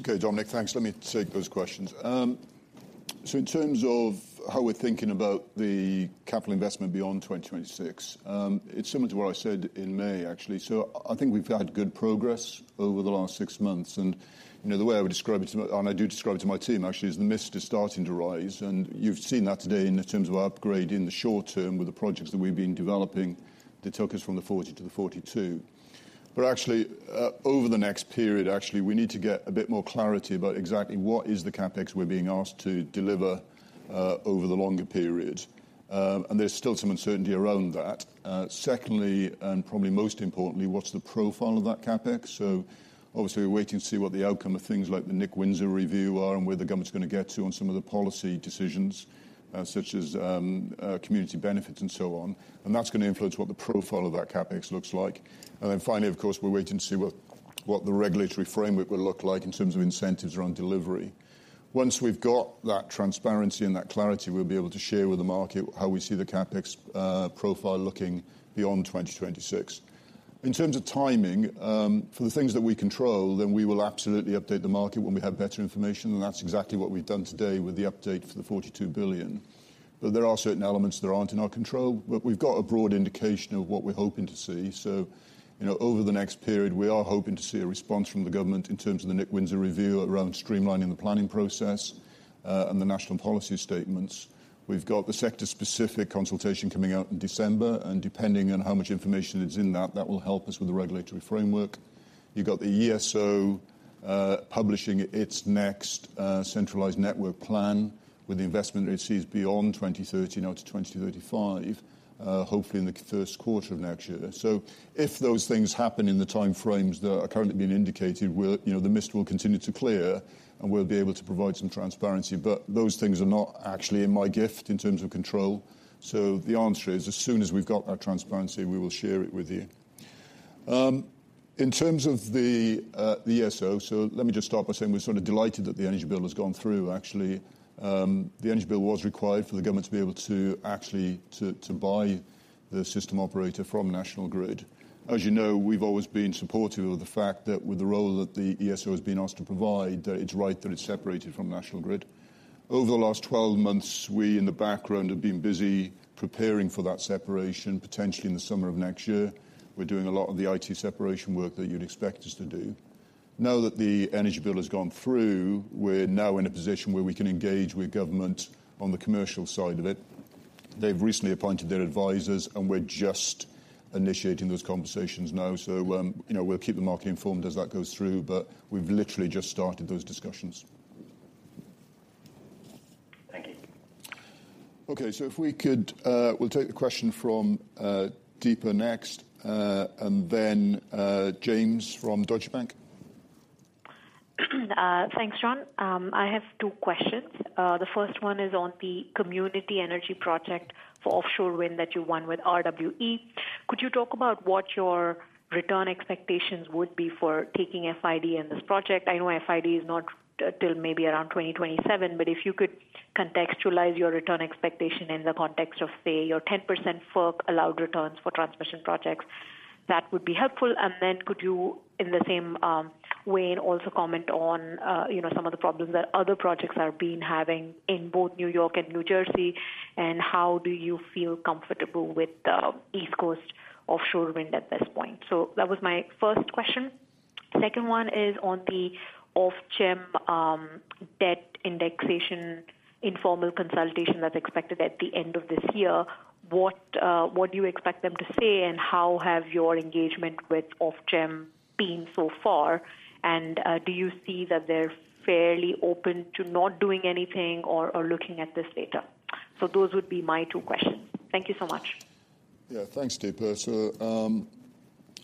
Okay, Dominic, thanks. Let me take those questions. So in terms of how we're thinking about the capital investment beyond 2026, it's similar to what I said in May, actually. So I think we've had good progress over the last six months. You know, the way I would describe it to my, and I do describe it to my team, actually, is the mist is starting to rise, and you've seen that today in terms of upgrade in the short-term with the projects that we've been developing that took us from the 40 to the 42. But actually, over the next period, actually, we need to get a bit more clarity about exactly what is the CapEx we're being asked to deliver over the longer period. And there's still some uncertainty around that. Secondly, and probably most importantly, what's the profile of that CapEx? So obviously, we're waiting to see what the outcome of things like the Nick Winser review are and where the government's gonna get to on some of the policy decisions, such as community benefits and so on. And that's gonna influence what the profile of that CapEx looks like. And then finally, of course, we're waiting to see what the regulatory framework will look like in terms of incentives around delivery. Once we've got that transparency and that clarity, we'll be able to share with the market how we see the CapEx profile looking beyond 2026. In terms of timing, for the things that we control, then we will absolutely update the market when we have better information, and that's exactly what we've done today with the update for the 42 billion. But there are certain elements that aren't in our control, but we've got a broad indication of what we're hoping to see. So, you know, over the next period, we are hoping to see a response from the government in terms of the Nick Winser review around streamlining the planning process, and the National Policy Statements. We've got the sector-specific consultation coming out in December, and depending on how much information is in that, that will help us with the regulatory framework. You've got the ESO publishing its next Centralised Network Plan with the investment it sees beyond 2030, now to 2035, hopefully in the first quarter of next year. So if those things happen in the time frames that are currently being indicated, we're, you know, the mist will continue to clear, and we'll be able to provide some transparency. But those things are not actually in my gift in terms of control. So the answer is, as soon as we've got that transparency, we will share it with you. In terms of the ESO, so let me just start by saying we're sort of delighted that the Energy Bill has gone through, actually. The Energy Bill was required for the government to be able to actually to buy the system operator from National Grid. As you know, we've always been supportive of the fact that with the role that the ESO has been asked to provide, that it's right that it's separated from National Grid. Over the last 12 months, we in the background have been busy preparing for that separation, potentially in the summer of next year. We're doing a lot of the IT separation work that you'd expect us to do. Now that the Energy Bill has gone through, we're now in a position where we can engage with government on the commercial side of it. They've recently appointed their advisors, and we're just initiating those conversations now. So, you know, we'll keep the market informed as that goes through, but we've literally just started those discussions. Thank you. Okay. So if we could, we'll take the question from Deepa next, and then James from Deutsche Bank. Thanks, John. I have two questions. The first one is on the community energy project for offshore wind that you won with RWE. Could you talk about what your return expectations would be for taking FID in this project? I know FID is not till maybe around 2027, but if you could contextualize your return expectation in the context of, say, your 10% FERC allowed returns for transmission projects, that would be helpful. And then could you, in the same, way, and also comment on, you know, some of the problems that other projects are being having in both New York and New Jersey, and how do you feel comfortable with the East Coast offshore wind at this point? So that was my first question. Second one is on the Ofgem debt indexation informal consultation that's expected at the end of this year. What do you expect them to say, and how have your engagement with Ofgem been so far? And, do you see that they're fairly open to not doing anything or looking at this data? So those would be my two questions. Thank you so much. Yeah. Thanks, Deepa. So,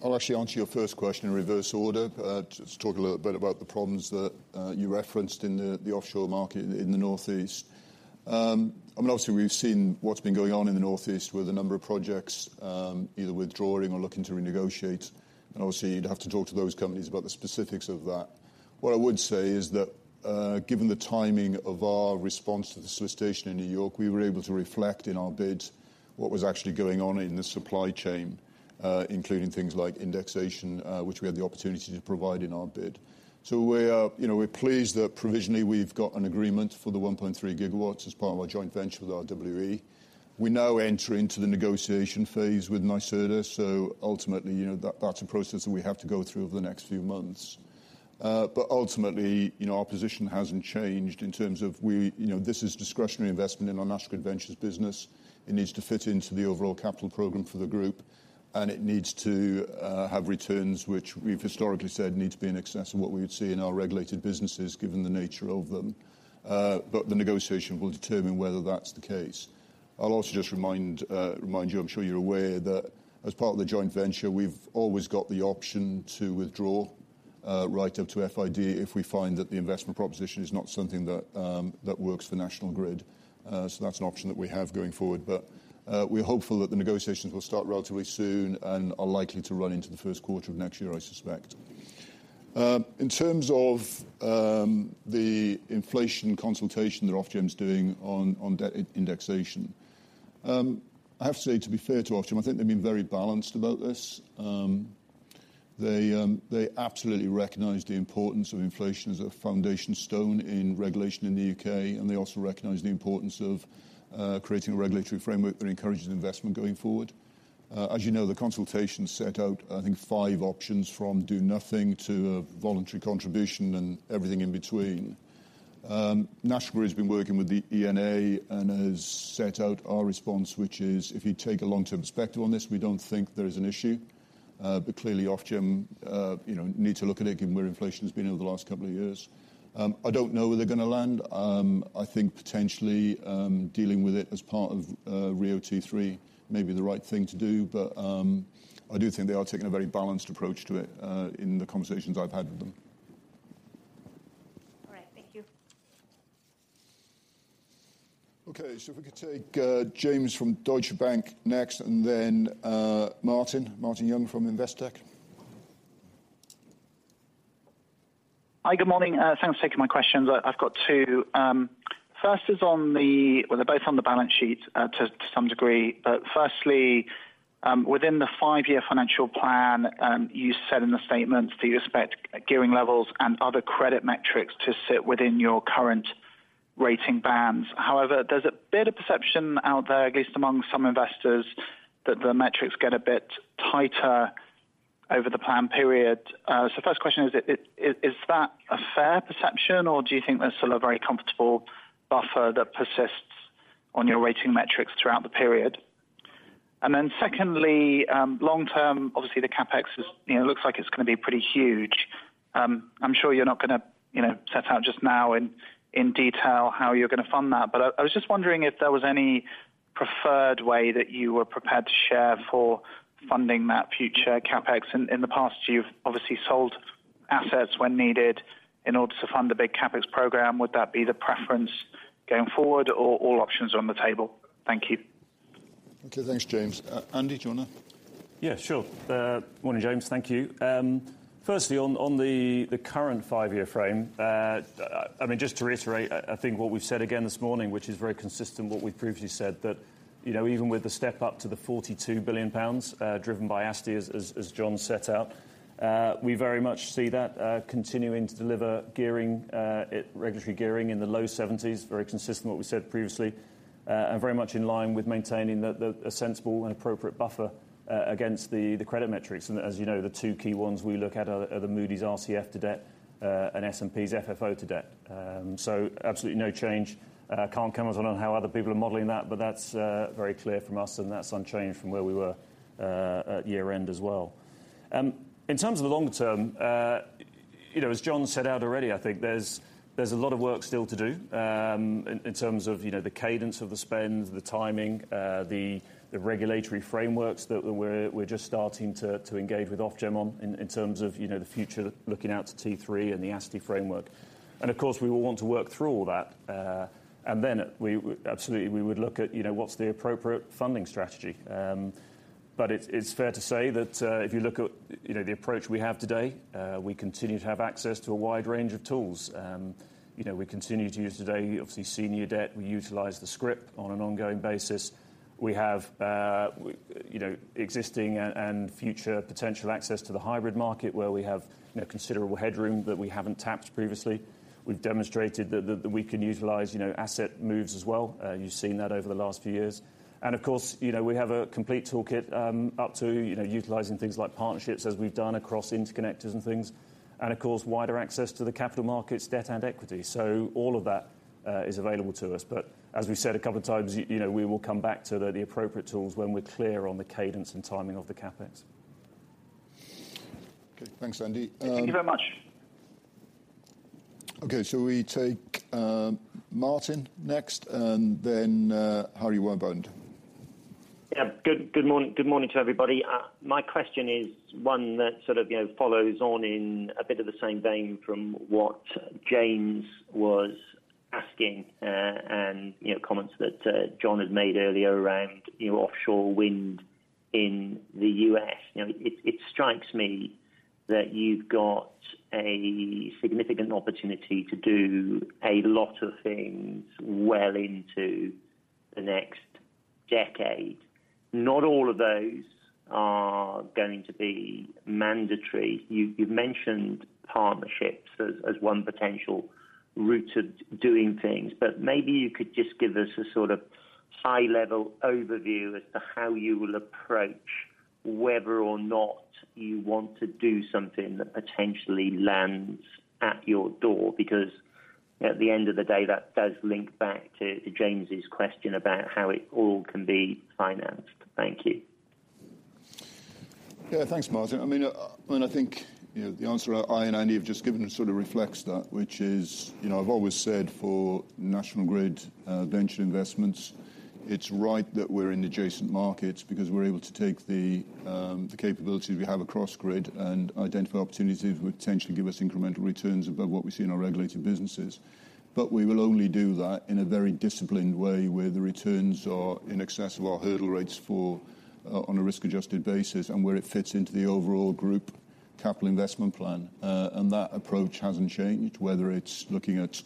I'll actually answer your first question in reverse order. Just talk a little bit about the problems that you referenced in the offshore market in the Northeast. I mean, obviously, we've seen what's been going on in the Northeast with a number of projects either withdrawing or looking to renegotiate, and obviously, you'd have to talk to those companies about the specifics of that. What I would say is that, given the timing of our response to the solicitation in New York, we were able to reflect in our bids what was actually going on in the supply chain, including things like indexation, which we had the opportunity to provide in our bid. So we're, you know, we're pleased that provisionally we've got an agreement for the 1.3 GW as part of our joint venture with RWE. We now enter into the negotiation phase with NYSERDA, so ultimately, you know, that-that's a process that we have to go through over the next few months. But ultimately, you know, our position hasn't changed in terms of we, you know, this is discretionary investment in our National Grid Ventures business. It needs to fit into the overall capital program for the group, and it needs to have returns, which we've historically said need to be in excess of what we would see in our regulated businesses, given the nature of them. But the negotiation will determine whether that's the case. I'll also just remind you, I'm sure you're aware, that as part of the joint venture, we've always got the option to withdraw right up to FID if we find that the investment proposition is not something that works for National Grid. So that's an option that we have going forward. But we're hopeful that the negotiations will start relatively soon and are likely to run into the first quarter of next year, I suspect. In terms of the inflation consultation that Ofgem's doing on debt CPI indexation, I have to say, to be fair to Ofgem, I think they've been very balanced about this. They absolutely recognize the importance of inflation as a foundation stone in regulation in the U.K., and they also recognize the importance of creating a regulatory framework that encourages investment going forward. As you know, the consultation set out, I think, five options from do nothing to a voluntary contribution and everything in between. National Grid has been working with the ENA and has set out our response, which is if you take a long-term perspective on this, we don't think there is an issue. But clearly, Ofgem, you know, need to look at it, given where inflation has been over the last couple of years. I don't know where they're gonna land. I think potentially, dealing with it as part of RIIO-T3 may be the right thing to do, but I do think they are taking a very balanced approach to it, in the conversations I've had with them. All right, thank you. Okay, so if we could take James from Deutsche Bank next, and then Martin, Martin Young from Investec. Hi, good morning. Thanks for taking my questions. I've got two. First is on the, well, they're both on the balance sheet, to some degree. But firstly, within the five-year financial plan, you said in the statement that you expect gearing levels and other credit metrics to sit within your current rating bands. However, there's a bit of perception out there, at least among some investors, that the metrics get a bit tighter over the plan period. So first question is, is that a fair perception, or do you think there's still a very comfortable buffer that persists on your rating metrics throughout the period? And then secondly, long-term, obviously, the CapEx is, you know, looks like it's gonna be pretty huge. I'm sure you're not gonna, you know, set out just now in detail how you're gonna fund that, but I was just wondering if there was any preferred way that you were prepared to share for funding that future CapEx. In the past, you've obviously sold assets when needed in order to fund the big CapEx program. Would that be the preference going forward, or all options are on the table? Thank you. Okay. Thanks, James. Andy, do you want to? Yeah, sure. Morning, James. Thank you. Firstly, on the current five-year frame, I mean, just to reiterate, I think what we've said again this morning, which is very consistent with what we've previously said, that, you know, even with the step up to 42 billion pounds, driven by ASTI, as John set out, we very much see that continuing to deliver gearing, regulatory gearing in the low 70s. Very consistent with what we said previously, and very much in line with maintaining a sensible and appropriate buffer against the credit metrics. And as you know, the two key ones we look at are the Moody's RCF to debt and S&P's FFO to debt. So absolutely no change. Can't comment on how other people are modeling that, but that's very clear from us, and that's unchanged from where we were at year-end as well. In terms of the longer-term, you know, as John set out already, I think there's a lot of work still to do, in terms of, you know, the cadence of the spend, the timing, the regulatory frameworks that we're just starting to engage with Ofgem on, in terms of, you know, the future, looking out to T3 and the ASTI framework. And of course, we will want to work through all that, and then we absolutely would look at, you know, what's the appropriate funding strategy. But it's fair to say that, if you look at, you know, the approach we have today, we continue to have access to a wide range of tools. You know, we continue to use today, obviously, senior debt. We utilize the scrip on an ongoing basis. We have, you know, existing and future potential access to the hybrid market, where we have, you know, considerable headroom that we haven't tapped previously. We've demonstrated that we can utilize, you know, asset moves as well. You've seen that over the last few years. And of course, you know, we have a complete toolkit, up to, you know, utilizing things like partnerships as we've done across interconnectors and things, and of course, wider access to the capital markets, debt and equity. So all of that is available to us. But as we said a couple of times, you know, we will come back to the appropriate tools when we're clear on the cadence and timing of the CapEx. Okay. Thanks, Andy. Thank you very much. Okay, so we take Martin next, and then Harry Wyburd. Yeah. Good, good morning. Good morning to everybody. My question is one that sort of, you know, follows on in a bit of the same vein from what James was asking, and, you know, comments that John had made earlier around, you know, offshore wind in the U.S. You know, it strikes me that you've got a significant opportunity to do a lot of things well into the next decade. Not all of those are going to be mandatory. You've mentioned partnerships as one potential route to doing things, but maybe you could just give us a sort of high-level overview as to how you will approach whether or not you want to do something that potentially lands at your door. Because at the end of the day, that does link back to James' question about how it all can be financed. Thank you. Yeah, thanks, Martin. I mean, and I think, you know, the answer I and Andy have just given sort of reflects that, which is, you know, I've always said for National Grid, venture investments, it's right that we're in adjacent markets because we're able to take the, the capabilities we have across Grid and identify opportunities which would potentially give us incremental returns above what we see in our regulated businesses. But we will only do that in a very disciplined way, where the returns are in excess of our hurdle rates for, on a risk-adjusted basis, and where it fits into the overall group capital investment plan. And that approach hasn't changed, whether it's looking at,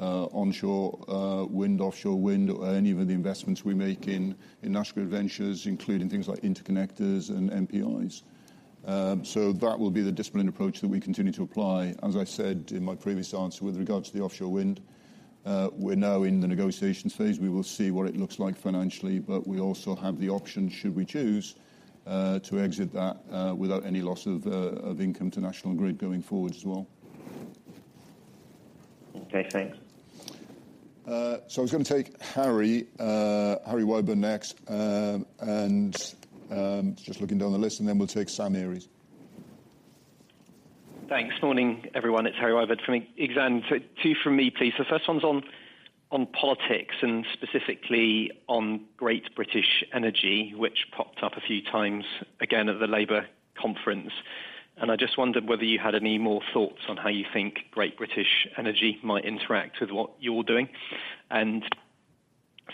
onshore, wind, offshore wind, or any of the investments we make in, in National Grid Ventures, including things like interconnectors and NPIs. So that will be the disciplined approach that we continue to apply. As I said in my previous answer, with regards to the offshore wind, we're now in the negotiation phase. We will see what it looks like financially, but we also have the option, should we choose, to exit that, without any loss of income to National Grid going forward as well.... Okay, thanks. So I was going to take Harry, Harry Wyburd next. And just looking down the list, and then we'll take Sam Arie. Thanks. Morning, everyone. It's Harry Wyburd from Exane. So two from me, please. The first one's on, on politics and specifically on Great British Energy, which popped up a few times again at the Labour conference. And I just wondered whether you had any more thoughts on how you think Great British Energy might interact with what you're doing. And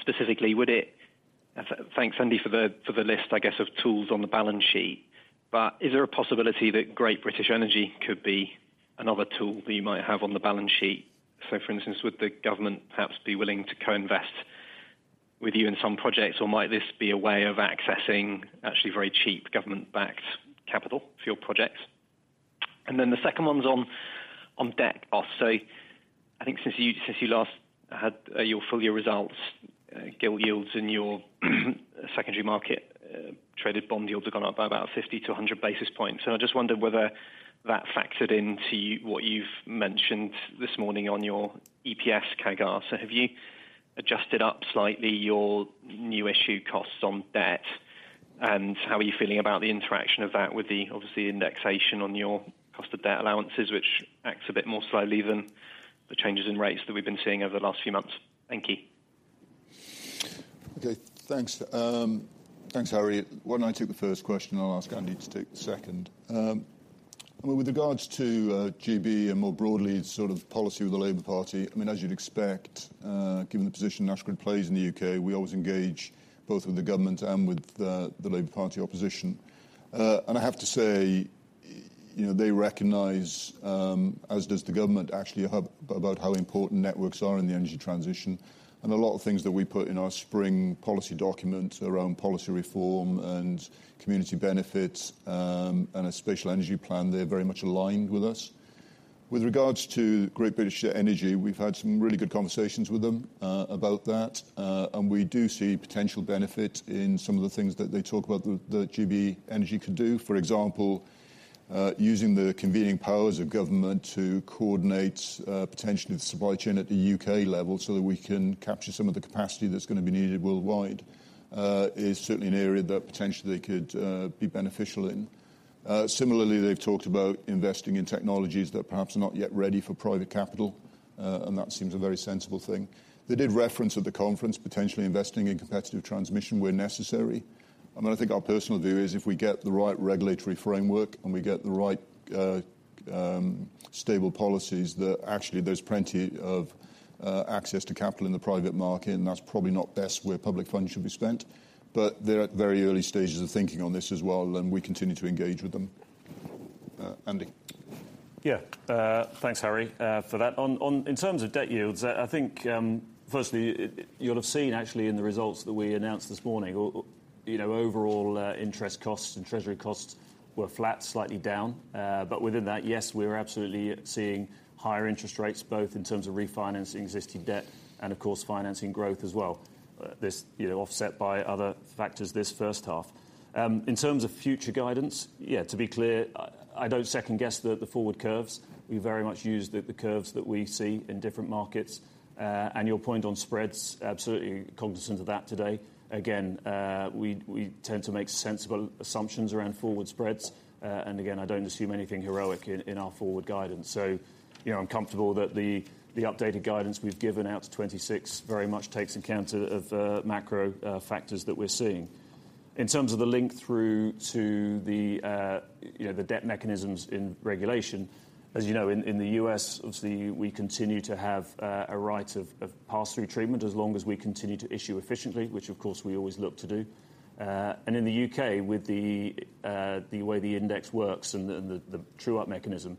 specifically, would it—thanks, Andy, for the, for the list, I guess, of tools on the balance sheet. But is there a possibility that Great British Energy could be another tool that you might have on the balance sheet? So, for instance, would the government perhaps be willing to co-invest with you in some projects, or might this be a way of accessing actually very cheap government-backed capital for your project? And then the second one's on, on debt cost. So I think since you, since you last had your full year results, gilt yields in your secondary market traded bond yields have gone up by about 50-100 basis points. So I just wondered whether that factored into what you've mentioned this morning on your EPS CAGR. So have you adjusted up slightly your new issue costs on debt? And how are you feeling about the interaction of that with the, obviously, indexation on your cost of debt allowances, which acts a bit more slowly than the changes in rates that we've been seeing over the last few months? Thank you. Okay, thanks. Thanks, Harry. Why don't I take the first question, and I'll ask Andy to take the second. Well, with regards to GB and more broadly, sort of policy with the Labour Party, I mean, as you'd expect, given the position National Grid plays in the U.K., we always engage both with the government and with the Labour Party opposition. And I have to say, you know, they recognize, as does the government, actually, about how important networks are in the energy transition. And a lot of things that we put in our spring policy document around policy reform and community benefits, and a special energy plan, they're very much aligned with us. With regards to Great British Energy, we've had some really good conversations with them about that, and we do see potential benefit in some of the things that they talk about that, that GB Energy could do. For example, using the convening powers of government to coordinate potentially the supply chain at the U.K. level so that we can capture some of the capacity that's gonna be needed worldwide is certainly an area that potentially could be beneficial in. Similarly, they've talked about investing in technologies that perhaps are not yet ready for private capital, and that seems a very sensible thing. They did reference at the conference potentially investing in competitive transmission where necessary. I think our personal view is if we get the right regulatory framework and we get the right, stable policies, that actually there's plenty of access to capital in the private market, and that's probably not best where public funds should be spent. But they're at very early stages of thinking on this as well, and we continue to engage with them. Andy? Yeah, thanks, Harry, for that. In terms of debt yields, I think, firstly, you'll have seen actually in the results that we announced this morning, you know, overall, interest costs and treasury costs were flat, slightly down. But within that, yes, we're absolutely seeing higher interest rates, both in terms of refinancing existing debt and, of course, financing growth as well. This, you know, offset by other factors this first half. In terms of future guidance, yeah, to be clear, I don't second-guess the forward curves. We very much use the curves that we see in different markets. And your point on spreads, absolutely cognizant of that today. Again, we tend to make sensible assumptions around forward spreads. And again, I don't assume anything heroic in our forward guidance. So, you know, I'm comfortable that the updated guidance we've given out to 2026 very much takes account of the macro factors that we're seeing. In terms of the link through to the, you know, the debt mechanisms in regulation, as you know, in the U.S., obviously, we continue to have a right of pass-through treatment as long as we continue to issue efficiently, which of course, we always look to do. And in the U.K., with the way the index works and the true-up mechanism,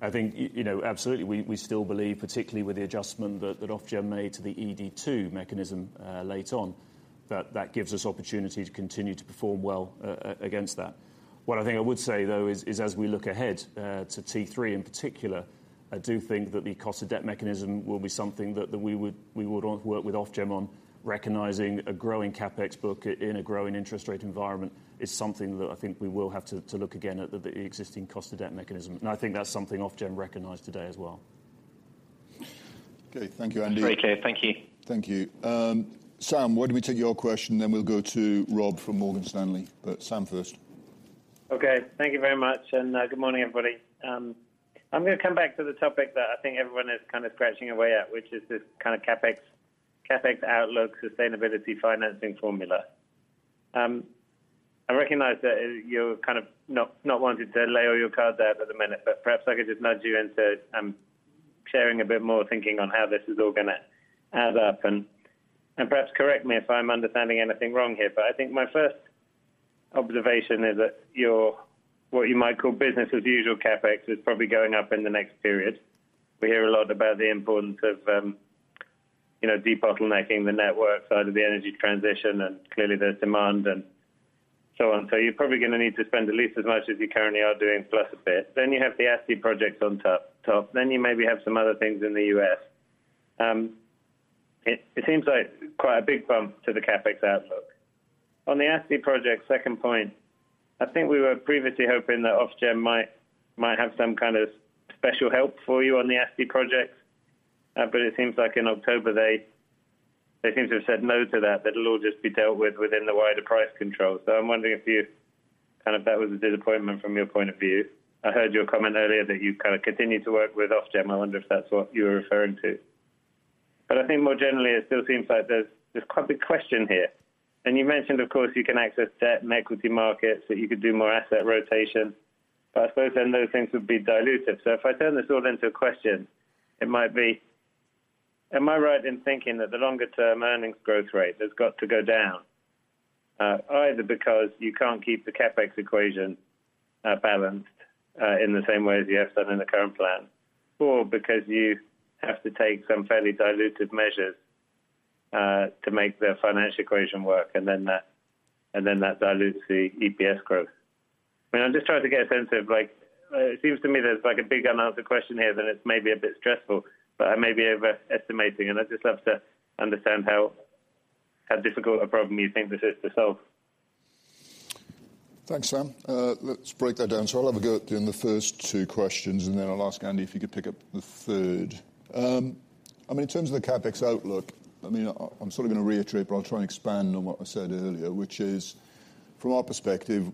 I think, you know, absolutely, we still believe, particularly with the adjustment that Ofgem made to the ED2 mechanism late on, that that gives us opportunity to continue to perform well against that. What I think I would say, though, is as we look ahead to T3 in particular, I do think that the cost of debt mechanism will be something that we would want to work with Ofgem on. Recognizing a growing CapEx book in a growing interest rate environment is something that I think we will have to look again at the existing cost of debt mechanism. And I think that's something Ofgem recognized today as well. Okay, thank you, Andy. Very clear. Thank you. Thank you. Sam, why don't we take your question, then we'll go to Rob from Morgan Stanley. But Sam first. Okay. Thank you very much, and good morning, everybody. I'm gonna come back to the topic that I think everyone is kind of scratching away at, which is this kind of CapEx, CapEx outlook, sustainability, financing formula. I recognize that you're kind of not, not wanting to lay all your cards out at the minute, but perhaps I could just nudge you into sharing a bit more, thinking on how this is all gonna add up. And perhaps correct me if I'm understanding anything wrong here, but I think my first observation is that your, what you might call business as usual CapEx, is probably going up in the next period. We hear a lot about the importance of, you know, debottlenecking the network side of the energy transition, and clearly there's demand and so on. So you're probably gonna need to spend at least as much as you currently are doing, plus a bit. Then you have the ASTI projects on top. Then you maybe have some other things in the U.S. It seems like quite a big bump to the CapEx outlook. On the ASTI project, second point, I think we were previously hoping that Ofgem might have some kind of special help for you on the ASTI project, but it seems like in October, they seem to have said no to that. That it'll all just be dealt with within the wider price control. So I'm wondering if you, kind of that was a disappointment from your point of view. I heard your comment earlier that you've kind of continued to work with Ofgem. I wonder if that's what you were referring to? But I think more generally, it still seems like there's quite a big question here, and you mentioned, of course, you can access debt and equity markets, that you could do more asset rotation. But I suppose then those things would be dilutive. So if I turn this all into a question, it might be: Am I right in thinking that the longer-term earnings growth rate has got to go down, either because you can't keep the CapEx equation balanced, in the same way as you have done in the current plan, or because you have to take some fairly dilutive measures, to make the financial equation work, and then that dilutes the EPS growth? I mean, I'm just trying to get a sense of like, it seems to me there's like a big unanswered question here, then it's maybe a bit stressful, but I may be overestimating, and I'd just love to understand how, how difficult a problem you think this is to solve. Thanks, Sam. Let's break that down. So I'll have a go at doing the first two questions, and then I'll ask Andy if you could pick up the third. I mean, in terms of the CapEx outlook, I mean, I'm sort of gonna reiterate, but I'll try and expand on what I said earlier, which is from our perspective,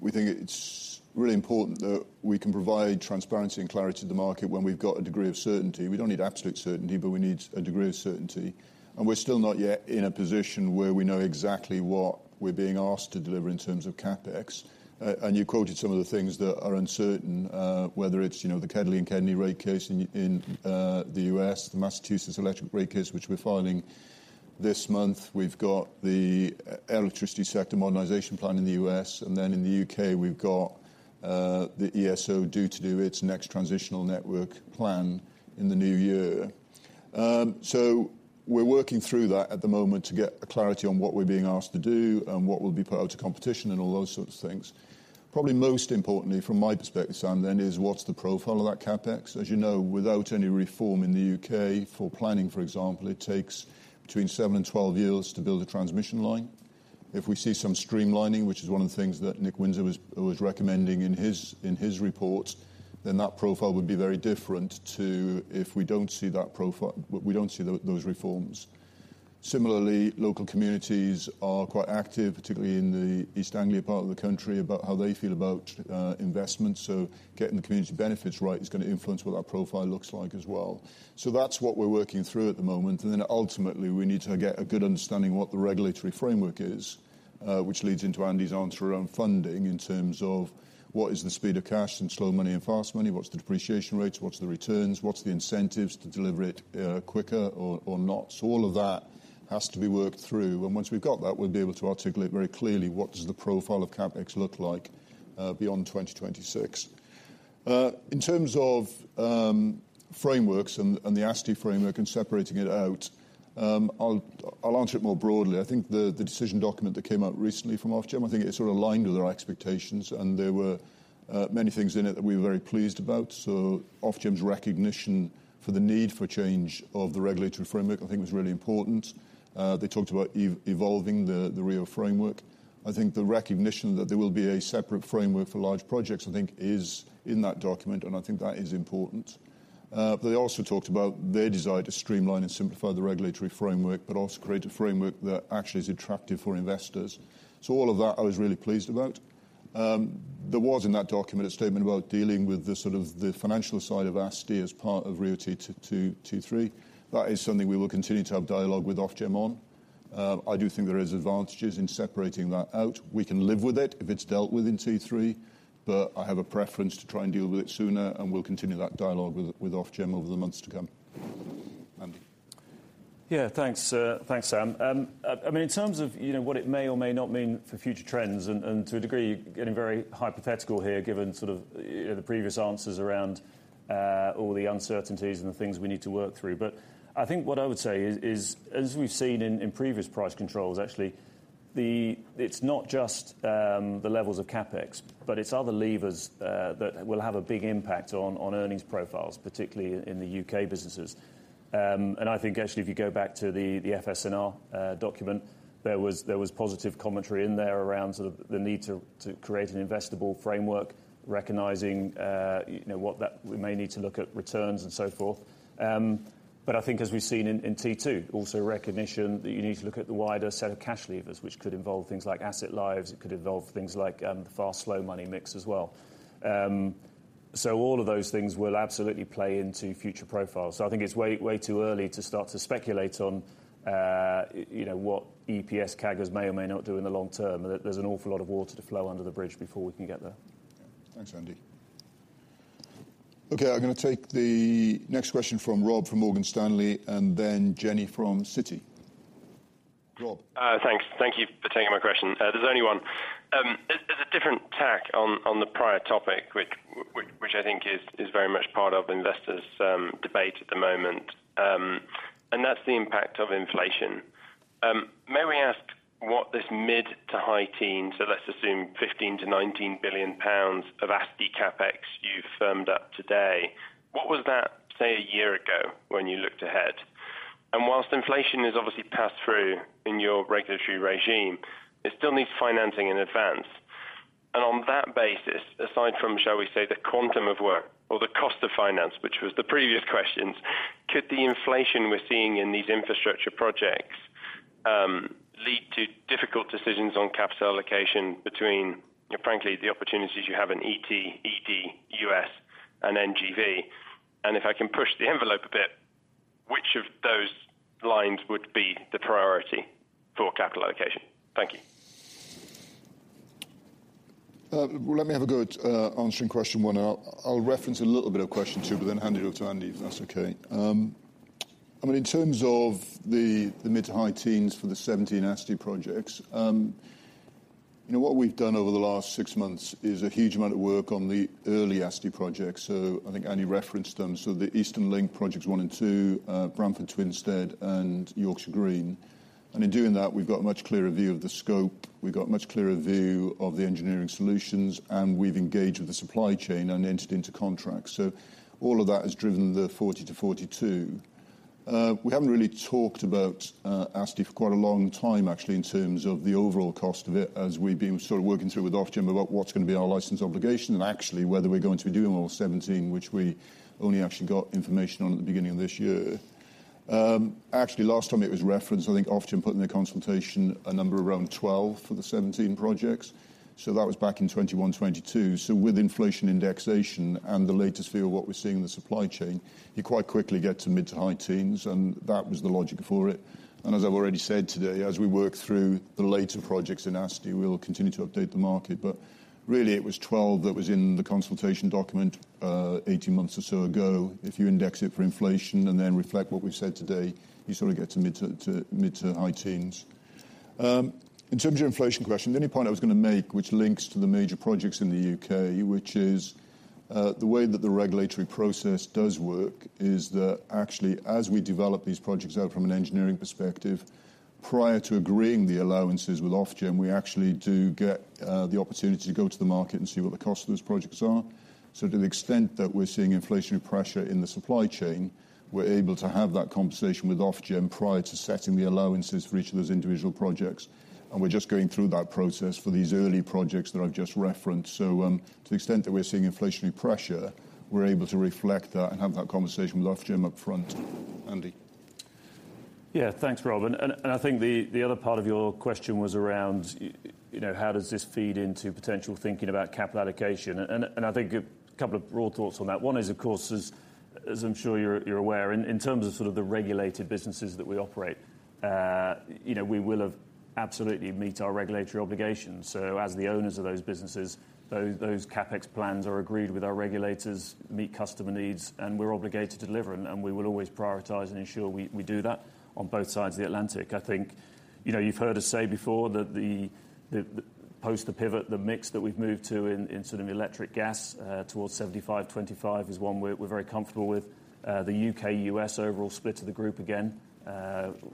we think it's really important that we can provide transparency and clarity to the market when we've got a degree of certainty. We don't need absolute certainty, but we need a degree of certainty. And we're still not yet in a position where we know exactly what we're being asked to deliver in terms of CapEx. And you quoted some of the things that are uncertain, whether it's, you know, the KEDNY and KEDLI rate case in the US, the Massachusetts electric rate case, which we're filing this month. We've got the Electric Sector Modernization Plan in the U.S., and then in the U.K., we've got the ESO due to do its next Transitional Network Plan in the new year. So we're working through that at the moment to get a clarity on what we're being asked to do and what will be put out to competition and all those sorts of things. Probably most importantly, from my perspective, Sam, then, is what's the profile of that CapEx? As you know, without any reform in the U.K. for planning, for example, it takes between seven and 12 years to build a transmission line. If we see some streamlining, which is one of the things that Nick Winser was recommending in his report, then that profile would be very different to if we don't see that profile. We don't see those reforms. Similarly, local communities are quite active, particularly in the East Anglia part of the country, about how they feel about investment. So getting the community benefits right is gonna influence what that profile looks like as well. So that's what we're working through at the moment, and then ultimately, we need to get a good understanding of what the regulatory framework is, which leads into Andy's answer around funding in terms of what is the speed of cash and slow money and fast money, what's the depreciation rates, what's the returns, what's the incentives to deliver it quicker or not? So all of that has to be worked through, and once we've got that, we'll be able to articulate very clearly what the profile of CapEx looks like beyond 2026. In terms of frameworks and the ASTI framework and separating it out, I'll answer it more broadly. I think the decision document that came out recently from Ofgem sort of aligned with our expectations, and there were many things in it that we were very pleased about. So Ofgem's recognition for the need for change of the regulatory framework, I think, was really important. They talked about evolving the RIIO framework. I think the recognition that there will be a separate framework for large projects is in that document, and I think that is important. But they also talked about their desire to streamline and simplify the regulatory framework, but also create a framework that actually is attractive for investors. So all of that, I was really pleased about. There was, in that document, a statement about dealing with the sort of the financial side of ASTI as part of RIIO-T2, T3. That is something we will continue to have dialogue with Ofgem on. I do think there is advantages in separating that out. We can live with it if it's dealt with in T3, but I have a preference to try and deal with it sooner, and we'll continue that dialogue with Ofgem over the months to come. Andy. Yeah. Thanks, thanks, Sam. I mean, in terms of, you know, what it may or may not mean for future trends, and, and to a degree, getting very hypothetical here, given sort of, the previous answers around, all the uncertainties and the things we need to work through. But I think what I would say is, as we've seen in, previous price controls, actually, it's not just, the levels of CapEx, but it's other levers, that will have a big impact on, earnings profiles, particularly in the U.K. businesses. And I think actually, if you go back to the, the FSNR, document, there was, positive commentary in there around sort of the need to, create an investable framework, recognizing, you know, what that... We may need to look at returns and so forth. But I think as we've seen in T2, also recognition that you need to look at the wider set of cash levers, which could involve things like asset lives, it could involve things like the fast, slow money mix as well. So all of those things will absolutely play into future profiles. So I think it's way, way too early to start to speculate on, you know, what EPS CAGRs may or may not do in the longer-term. There's an awful lot of water to flow under the bridge before we can get there. Thanks, Andy. Okay, I'm gonna take the next question from Rob, from Morgan Stanley, and then Jenny from Citi. Rob? Thanks. Thank you for taking my question. There's only one. There's a different tack on the prior topic, which I think is very much part of investors' debate at the moment, and that's the impact of inflation. This mid to high teens, so let's assume 15 billion-19 billion pounds of ASTI CapEx you've firmed up today. What was that, say, a year ago when you looked ahead? And while inflation is obviously passed through in your regulatory regime, it still needs financing in advance. And on that basis, aside from, shall we say, the quantum of work or the cost of finance, which was the previous questions, could the inflation we're seeing in these infrastructure projects lead to difficult decisions on capital allocation between, frankly, the opportunities you have in ET, ED, US, and NGV? If I can push the envelope a bit, which of those lines would be the priority for capital allocation? Thank you. Well, let me have a go at answering question one. I'll reference a little bit of question two, but then hand it over to Andy, if that's okay. I mean, in terms of the mid- to high teens for the 17 ASTI projects, you know, what we've done over the last 6 months is a huge amount of work on the early ASTI projects. So I think Andy referenced them. So the Eastern Green Link projects 1 and 2, Bramford to Twinstead and Yorkshire Green. And in doing that, we've got a much clearer view of the scope, we've got a much clearer view of the engineering solutions, and we've engaged with the supply chain and entered into contracts. So all of that has driven the 40-42. We haven't really talked about ASTI for quite a long time, actually, in terms of the overall cost of it, as we've been sort of working through with Ofgem about what's gonna be our license obligation and actually whether we're going to be doing all 17, which we only actually got information on at the beginning of this year. Actually, last time it was referenced, I think Ofgem put in their consultation a number around 12 for the 17 projects. So that was back in 2021, 2022. So with inflation indexation and the latest view of what we're seeing in the supply chain, you quite quickly get to mid- to high teens, and that was the logic for it. And as I've already said today, as we work through the later projects in ASTI, we'll continue to update the market. But really, it was 12 that was in the consultation document, eighteen months or so ago. If you index it for inflation and then reflect what we've said today, you sort of get to mid- to high teens. In terms of your inflation question, the only point I was gonna make, which links to the major projects in the U.K., which is the way that the regulatory process does work, is that actually, as we develop these projects out from an engineering perspective, prior to agreeing the allowances with Ofgem, we actually do get the opportunity to go to the market and see what the cost of those projects are. So to the extent that we're seeing inflationary pressure in the supply chain, we're able to have that conversation with Ofgem prior to setting the allowances for each of those individual projects. We're just going through that process for these early projects that I've just referenced. So, to the extent that we're seeing inflationary pressure, we're able to reflect that and have that conversation with Ofgem up front. Andy? Yeah. Thanks, Rob. And I think the other part of your question was around, you know, how does this feed into potential thinking about capital allocation? And I think a couple of broad thoughts on that. One is, of course, as I'm sure you're aware, in terms of sort of the regulated businesses that we operate, you know, we will have absolutely meet our regulatory obligations. So as the owners of those businesses, those CapEx plans are agreed with our regulators, meet customer needs, and we're obligated to deliver, and we will always prioritize and ensure we do that on both sides of the Atlantic. I think, you know, you've heard us say before that the post-pivot mix that we've moved to in sort of electric gas towards 75/25 is one we're very comfortable with. The U.K., U.S. overall split to the group again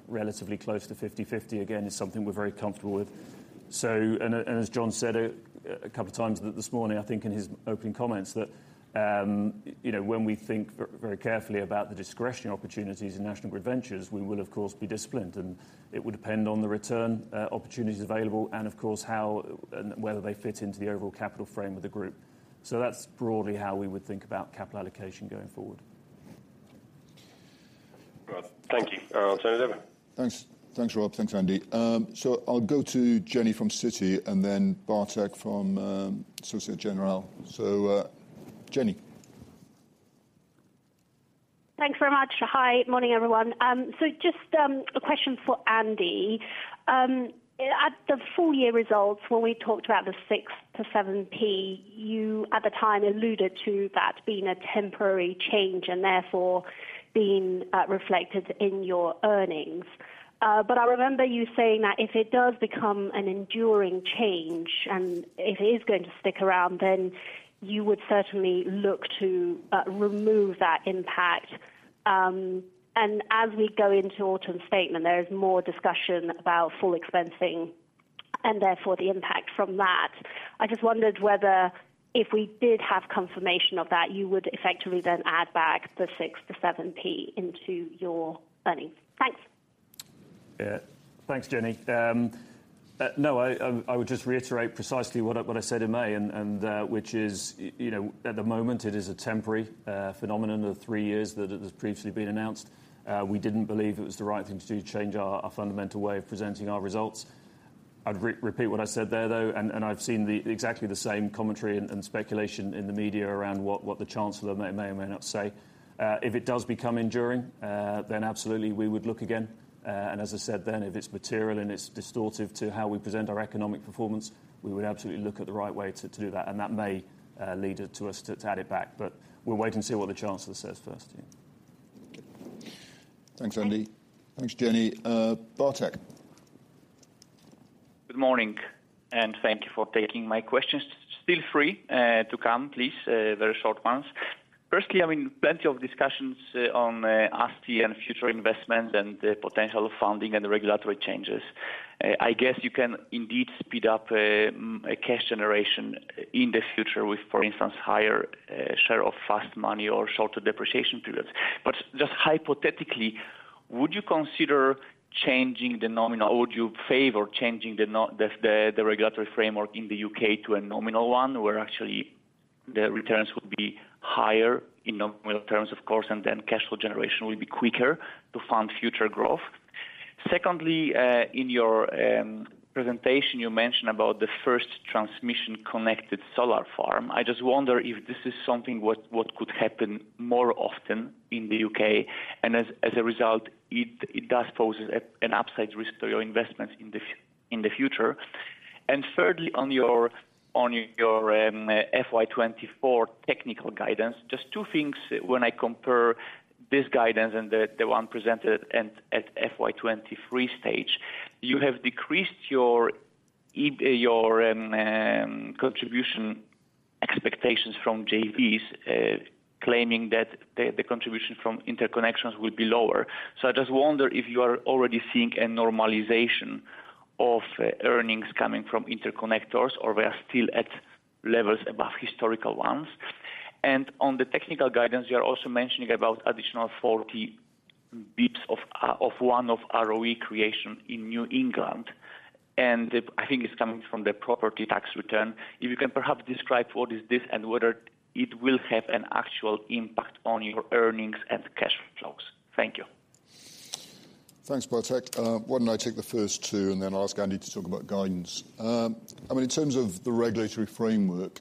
relatively close to 50/50 again is something we're very comfortable with. And as John said a couple of times this morning, I think in his opening comments, that you know, when we think very carefully about the discretionary opportunities in National Grid Ventures, we will, of course, be disciplined, and it would depend on the return opportunities available, and of course, how and whether they fit into the overall capital frame of the group. So that's broadly how we would think about capital allocation going forward. Right. Thank you. Over. Thanks. Thanks, Rob. Thanks, Andy. So I'll go to Jenny from Citi and then Bartek from Société Générale. So, Jenny. Thanks very much. Hi, morning, everyone. So just a question for Andy. At the full year results, when we talked about the 6-7p, you at the time alluded to that being a temporary change and therefore being reflected in your earnings. But I remember you saying that if it does become an enduring change and if it is going to stick around, then you would certainly look to remove that impact. And as we go into Autumn Statement, there is more discussion about full expensing and therefore the impact from that. I just wondered whether, if we did have confirmation of that, you would effectively then add back the 6-7p into your earnings. Thanks. Yeah. Thanks, Jenny. No, I would just reiterate precisely what I said in May, and which is, you know, at the moment, it is a temporary phenomenon of the three years that it has previously been announced. We didn't believe it was the right thing to do to change our fundamental way of presenting our results. I'd repeat what I said there, though, and I've seen exactly the same commentary and speculation in the media around what the Chancellor may or may not say. If it does become enduring, then absolutely we would look again. and as I said then, if it's material and it's distortive to how we present our economic performance, we would absolutely look at the right way to do that, and that may lead us to add it back. But we'll wait and see what the Chancellor says first. Thanks, Andy. Thanks, Jenny. Bartek. Good morning, and thank you for taking my questions. Still free to come, please, very short ones. First, I mean, plenty of discussions on ASTI and future investment and the potential of funding and regulatory changes. I guess you can indeed speed up a cash generation in the future with, for instance, higher share of fast money or shorter depreciation periods. But just hypothetically, would you consider changing the nominal? Would you favor changing the regulatory framework in the U.K. to a nominal one, where actually the returns would be higher in nominal terms, of course, and then cash flow generation will be quicker to fund future growth? Second, in your presentation, you mentioned about the first transmission-connected solar farm. I just wonder if this is something what could happen more often in the U.K., and as a result, it does pose an upside risk to your investments in the future. And thirdly, on your FY 2024 technical guidance, just two things when I compare this guidance and the one presented at FY 2023 stage. You have decreased your contribution expectations from JVs, claiming that the contribution from interconnections will be lower. So I just wonder if you are already seeing a normalization of earnings coming from interconnectors, or we are still at levels above historical ones? And on the technical guidance, you are also mentioning about additional 40 basis points of 1% ROE creation in New England, and I think it's coming from the property tax return. If you can perhaps describe what is this, and whether it will have an actual impact on your earnings and cash flows? Thank you. Thanks, Bartek. Why don't I take the first two, and then I'll ask Andy to talk about guidance? I mean, in terms of the regulatory framework,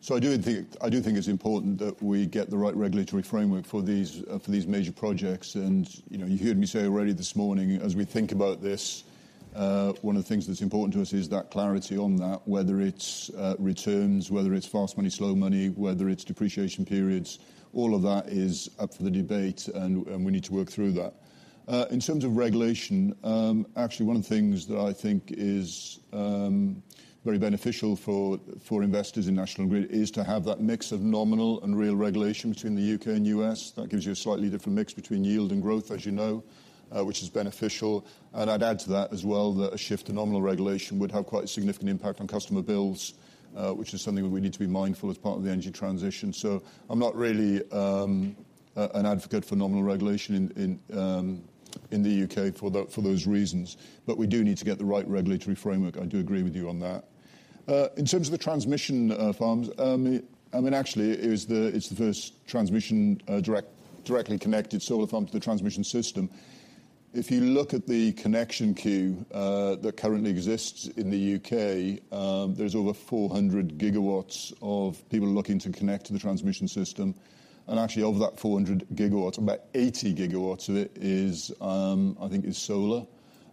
so I do think, I do think it's important that we get the right regulatory framework for these, for these major projects. You know, you heard me say already this morning, as we think about this, one of the things that's important to us is that clarity on that, whether it's returns, whether it's fast money, slow money, whether it's depreciation periods, all of that is up for the debate, and we need to work through that. In terms of regulation, actually, one of the things that I think is very beneficial for investors in National Grid is to have that mix of nominal and real regulation between the U.K. and U.S. That gives you a slightly different mix between yield and growth, as you know, which is beneficial. And I'd add to that as well, that a shift to nominal regulation would have quite a significant impact on customer bills, which is something that we need to be mindful as part of the energy transition. So I'm not really an advocate for nominal regulation in the U.K. for those reasons, but we do need to get the right regulatory framework. I do agree with you on that. In terms of the transmission farms, I mean, actually, it's the first transmission directly connected solar farm to the transmission system. If you look at the connection queue, that currently exists in the U.K., there's over 400 GW of people looking to connect to the transmission system. And actually, over that 400 GW, about 80 GW of it is, I think is solar.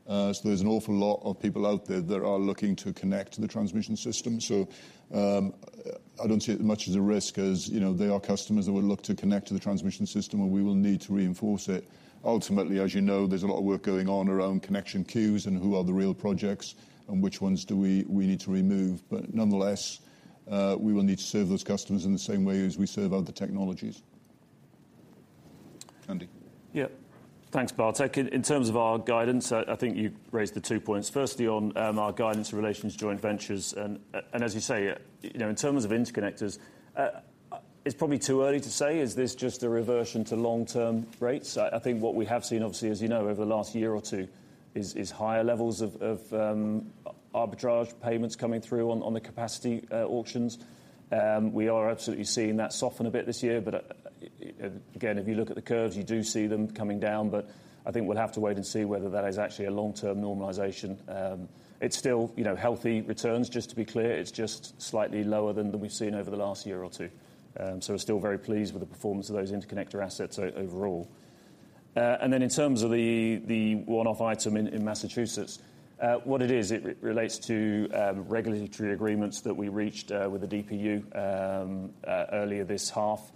So there's an awful lot of people out there that are looking to connect to the transmission system. So, I don't see it as much as a risk as, you know, they are customers that will look to connect to the transmission system, and we will need to reinforce it. Ultimately, as you know, there's a lot of work going on around connection queues and who are the real projects and which ones do we need to remove. But nonetheless, we will need to serve those customers in the same way as we serve other technologies. Andy? Yeah. Thanks, Bartek. In terms of our guidance, I think you raised the two points. Firstly, on our guidance in relations to joint ventures, and as you say, you know, in terms of interconnectors, it's probably too early to say, is this just a reversion to long-term rates? I think what we have seen, obviously, as you know, over the last year or two, is higher levels of arbitrage payments coming through on the capacity auctions. We are absolutely seeing that soften a bit this year, but again, if you look at the curves, you do see them coming down. But I think we'll have to wait and see whether that is actually a long-term normalization. It's still, you know, healthy returns, just to be clear. It's just slightly lower than what we've seen over the last year or two. So we're still very pleased with the performance of those interconnector assets overall. And then in terms of the one-off item in Massachusetts, what it is, it relates to regulatory agreements that we reached with the DPU earlier this half,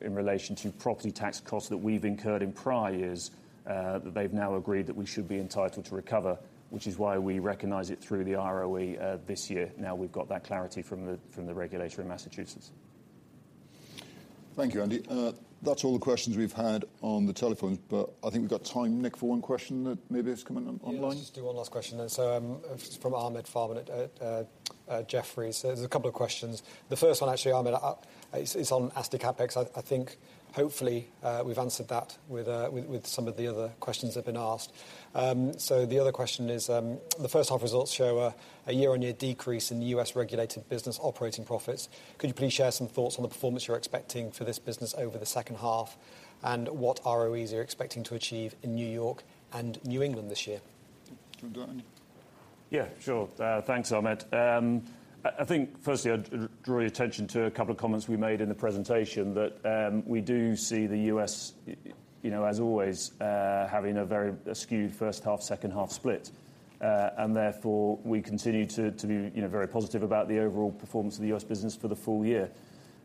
in relation to property tax costs that we've incurred in prior years, that they've now agreed that we should be entitled to recover, which is why we recognize it through the ROE this year, now we've got that clarity from the regulator in Massachusetts. Thank you, Andy. That's all the questions we've had on the telephones, but I think we've got time, Nick, for one question that maybe has come in online. Yeah, let's do one last question then. So, from Ahmed Farman at Jefferies. There's a couple of questions. The first one, actually, Ahmed, it's on ASTI CapEx. I think hopefully, we've answered that with some of the other questions that have been asked. So the other question is, the first half results show a year-on-year decrease in the U.S.-regulated business operating profits. Could you please share some thoughts on the performance you're expecting for this business over the second half, and what ROEs you're expecting to achieve in New York and New England this year? Do you wanna do that, Andy? Yeah, sure. Thanks, Ahmed. I think firstly, I'd draw your attention to a couple of comments we made in the presentation, that we do see the U.S., you know, as always, having a very skewed first half, second half split. And therefore, we continue to be, you know, very positive about the overall performance of the U.S. business for the full year.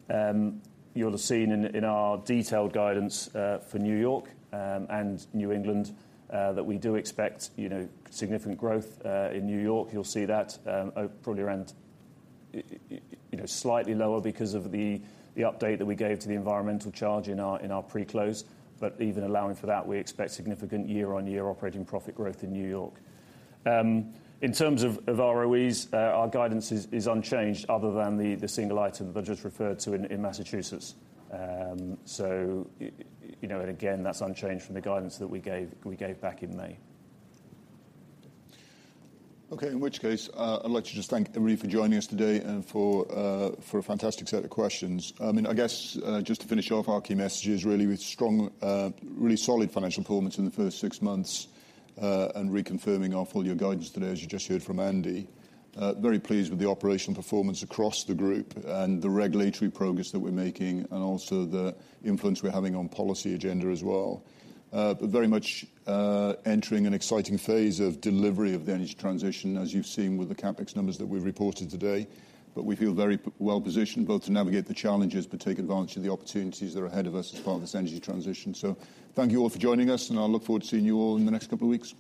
You'll have seen in our detailed guidance for New York and New England that we do expect, you know, significant growth in New York. You'll see that, probably around, you know, slightly lower because of the update that we gave to the environmental charge in our pre-close. But even allowing for that, we expect significant year-on-year operating profit growth in New York. In terms of ROEs, our guidance is unchanged other than the single item that I just referred to in Massachusetts. So, you know, and again, that's unchanged from the guidance that we gave back in May. Okay, in which case, I'd like to just thank everybody for joining us today and for, for a fantastic set of questions. I mean, I guess, just to finish off, our key message is really with strong, really solid financial performance in the first six months, and reconfirming our full year guidance today, as you just heard from Andy. Very pleased with the operational performance across the group and the regulatory progress that we're making, and also the influence we're having on policy agenda as well. But very much, entering an exciting phase of delivery of the energy transition, as you've seen with the CapEx numbers that we've reported today. But we feel very well positioned both to navigate the challenges, but take advantage of the opportunities that are ahead of us as part of this energy transition. Thank you all for joining us, and I look forward to seeing you all in the next couple of weeks.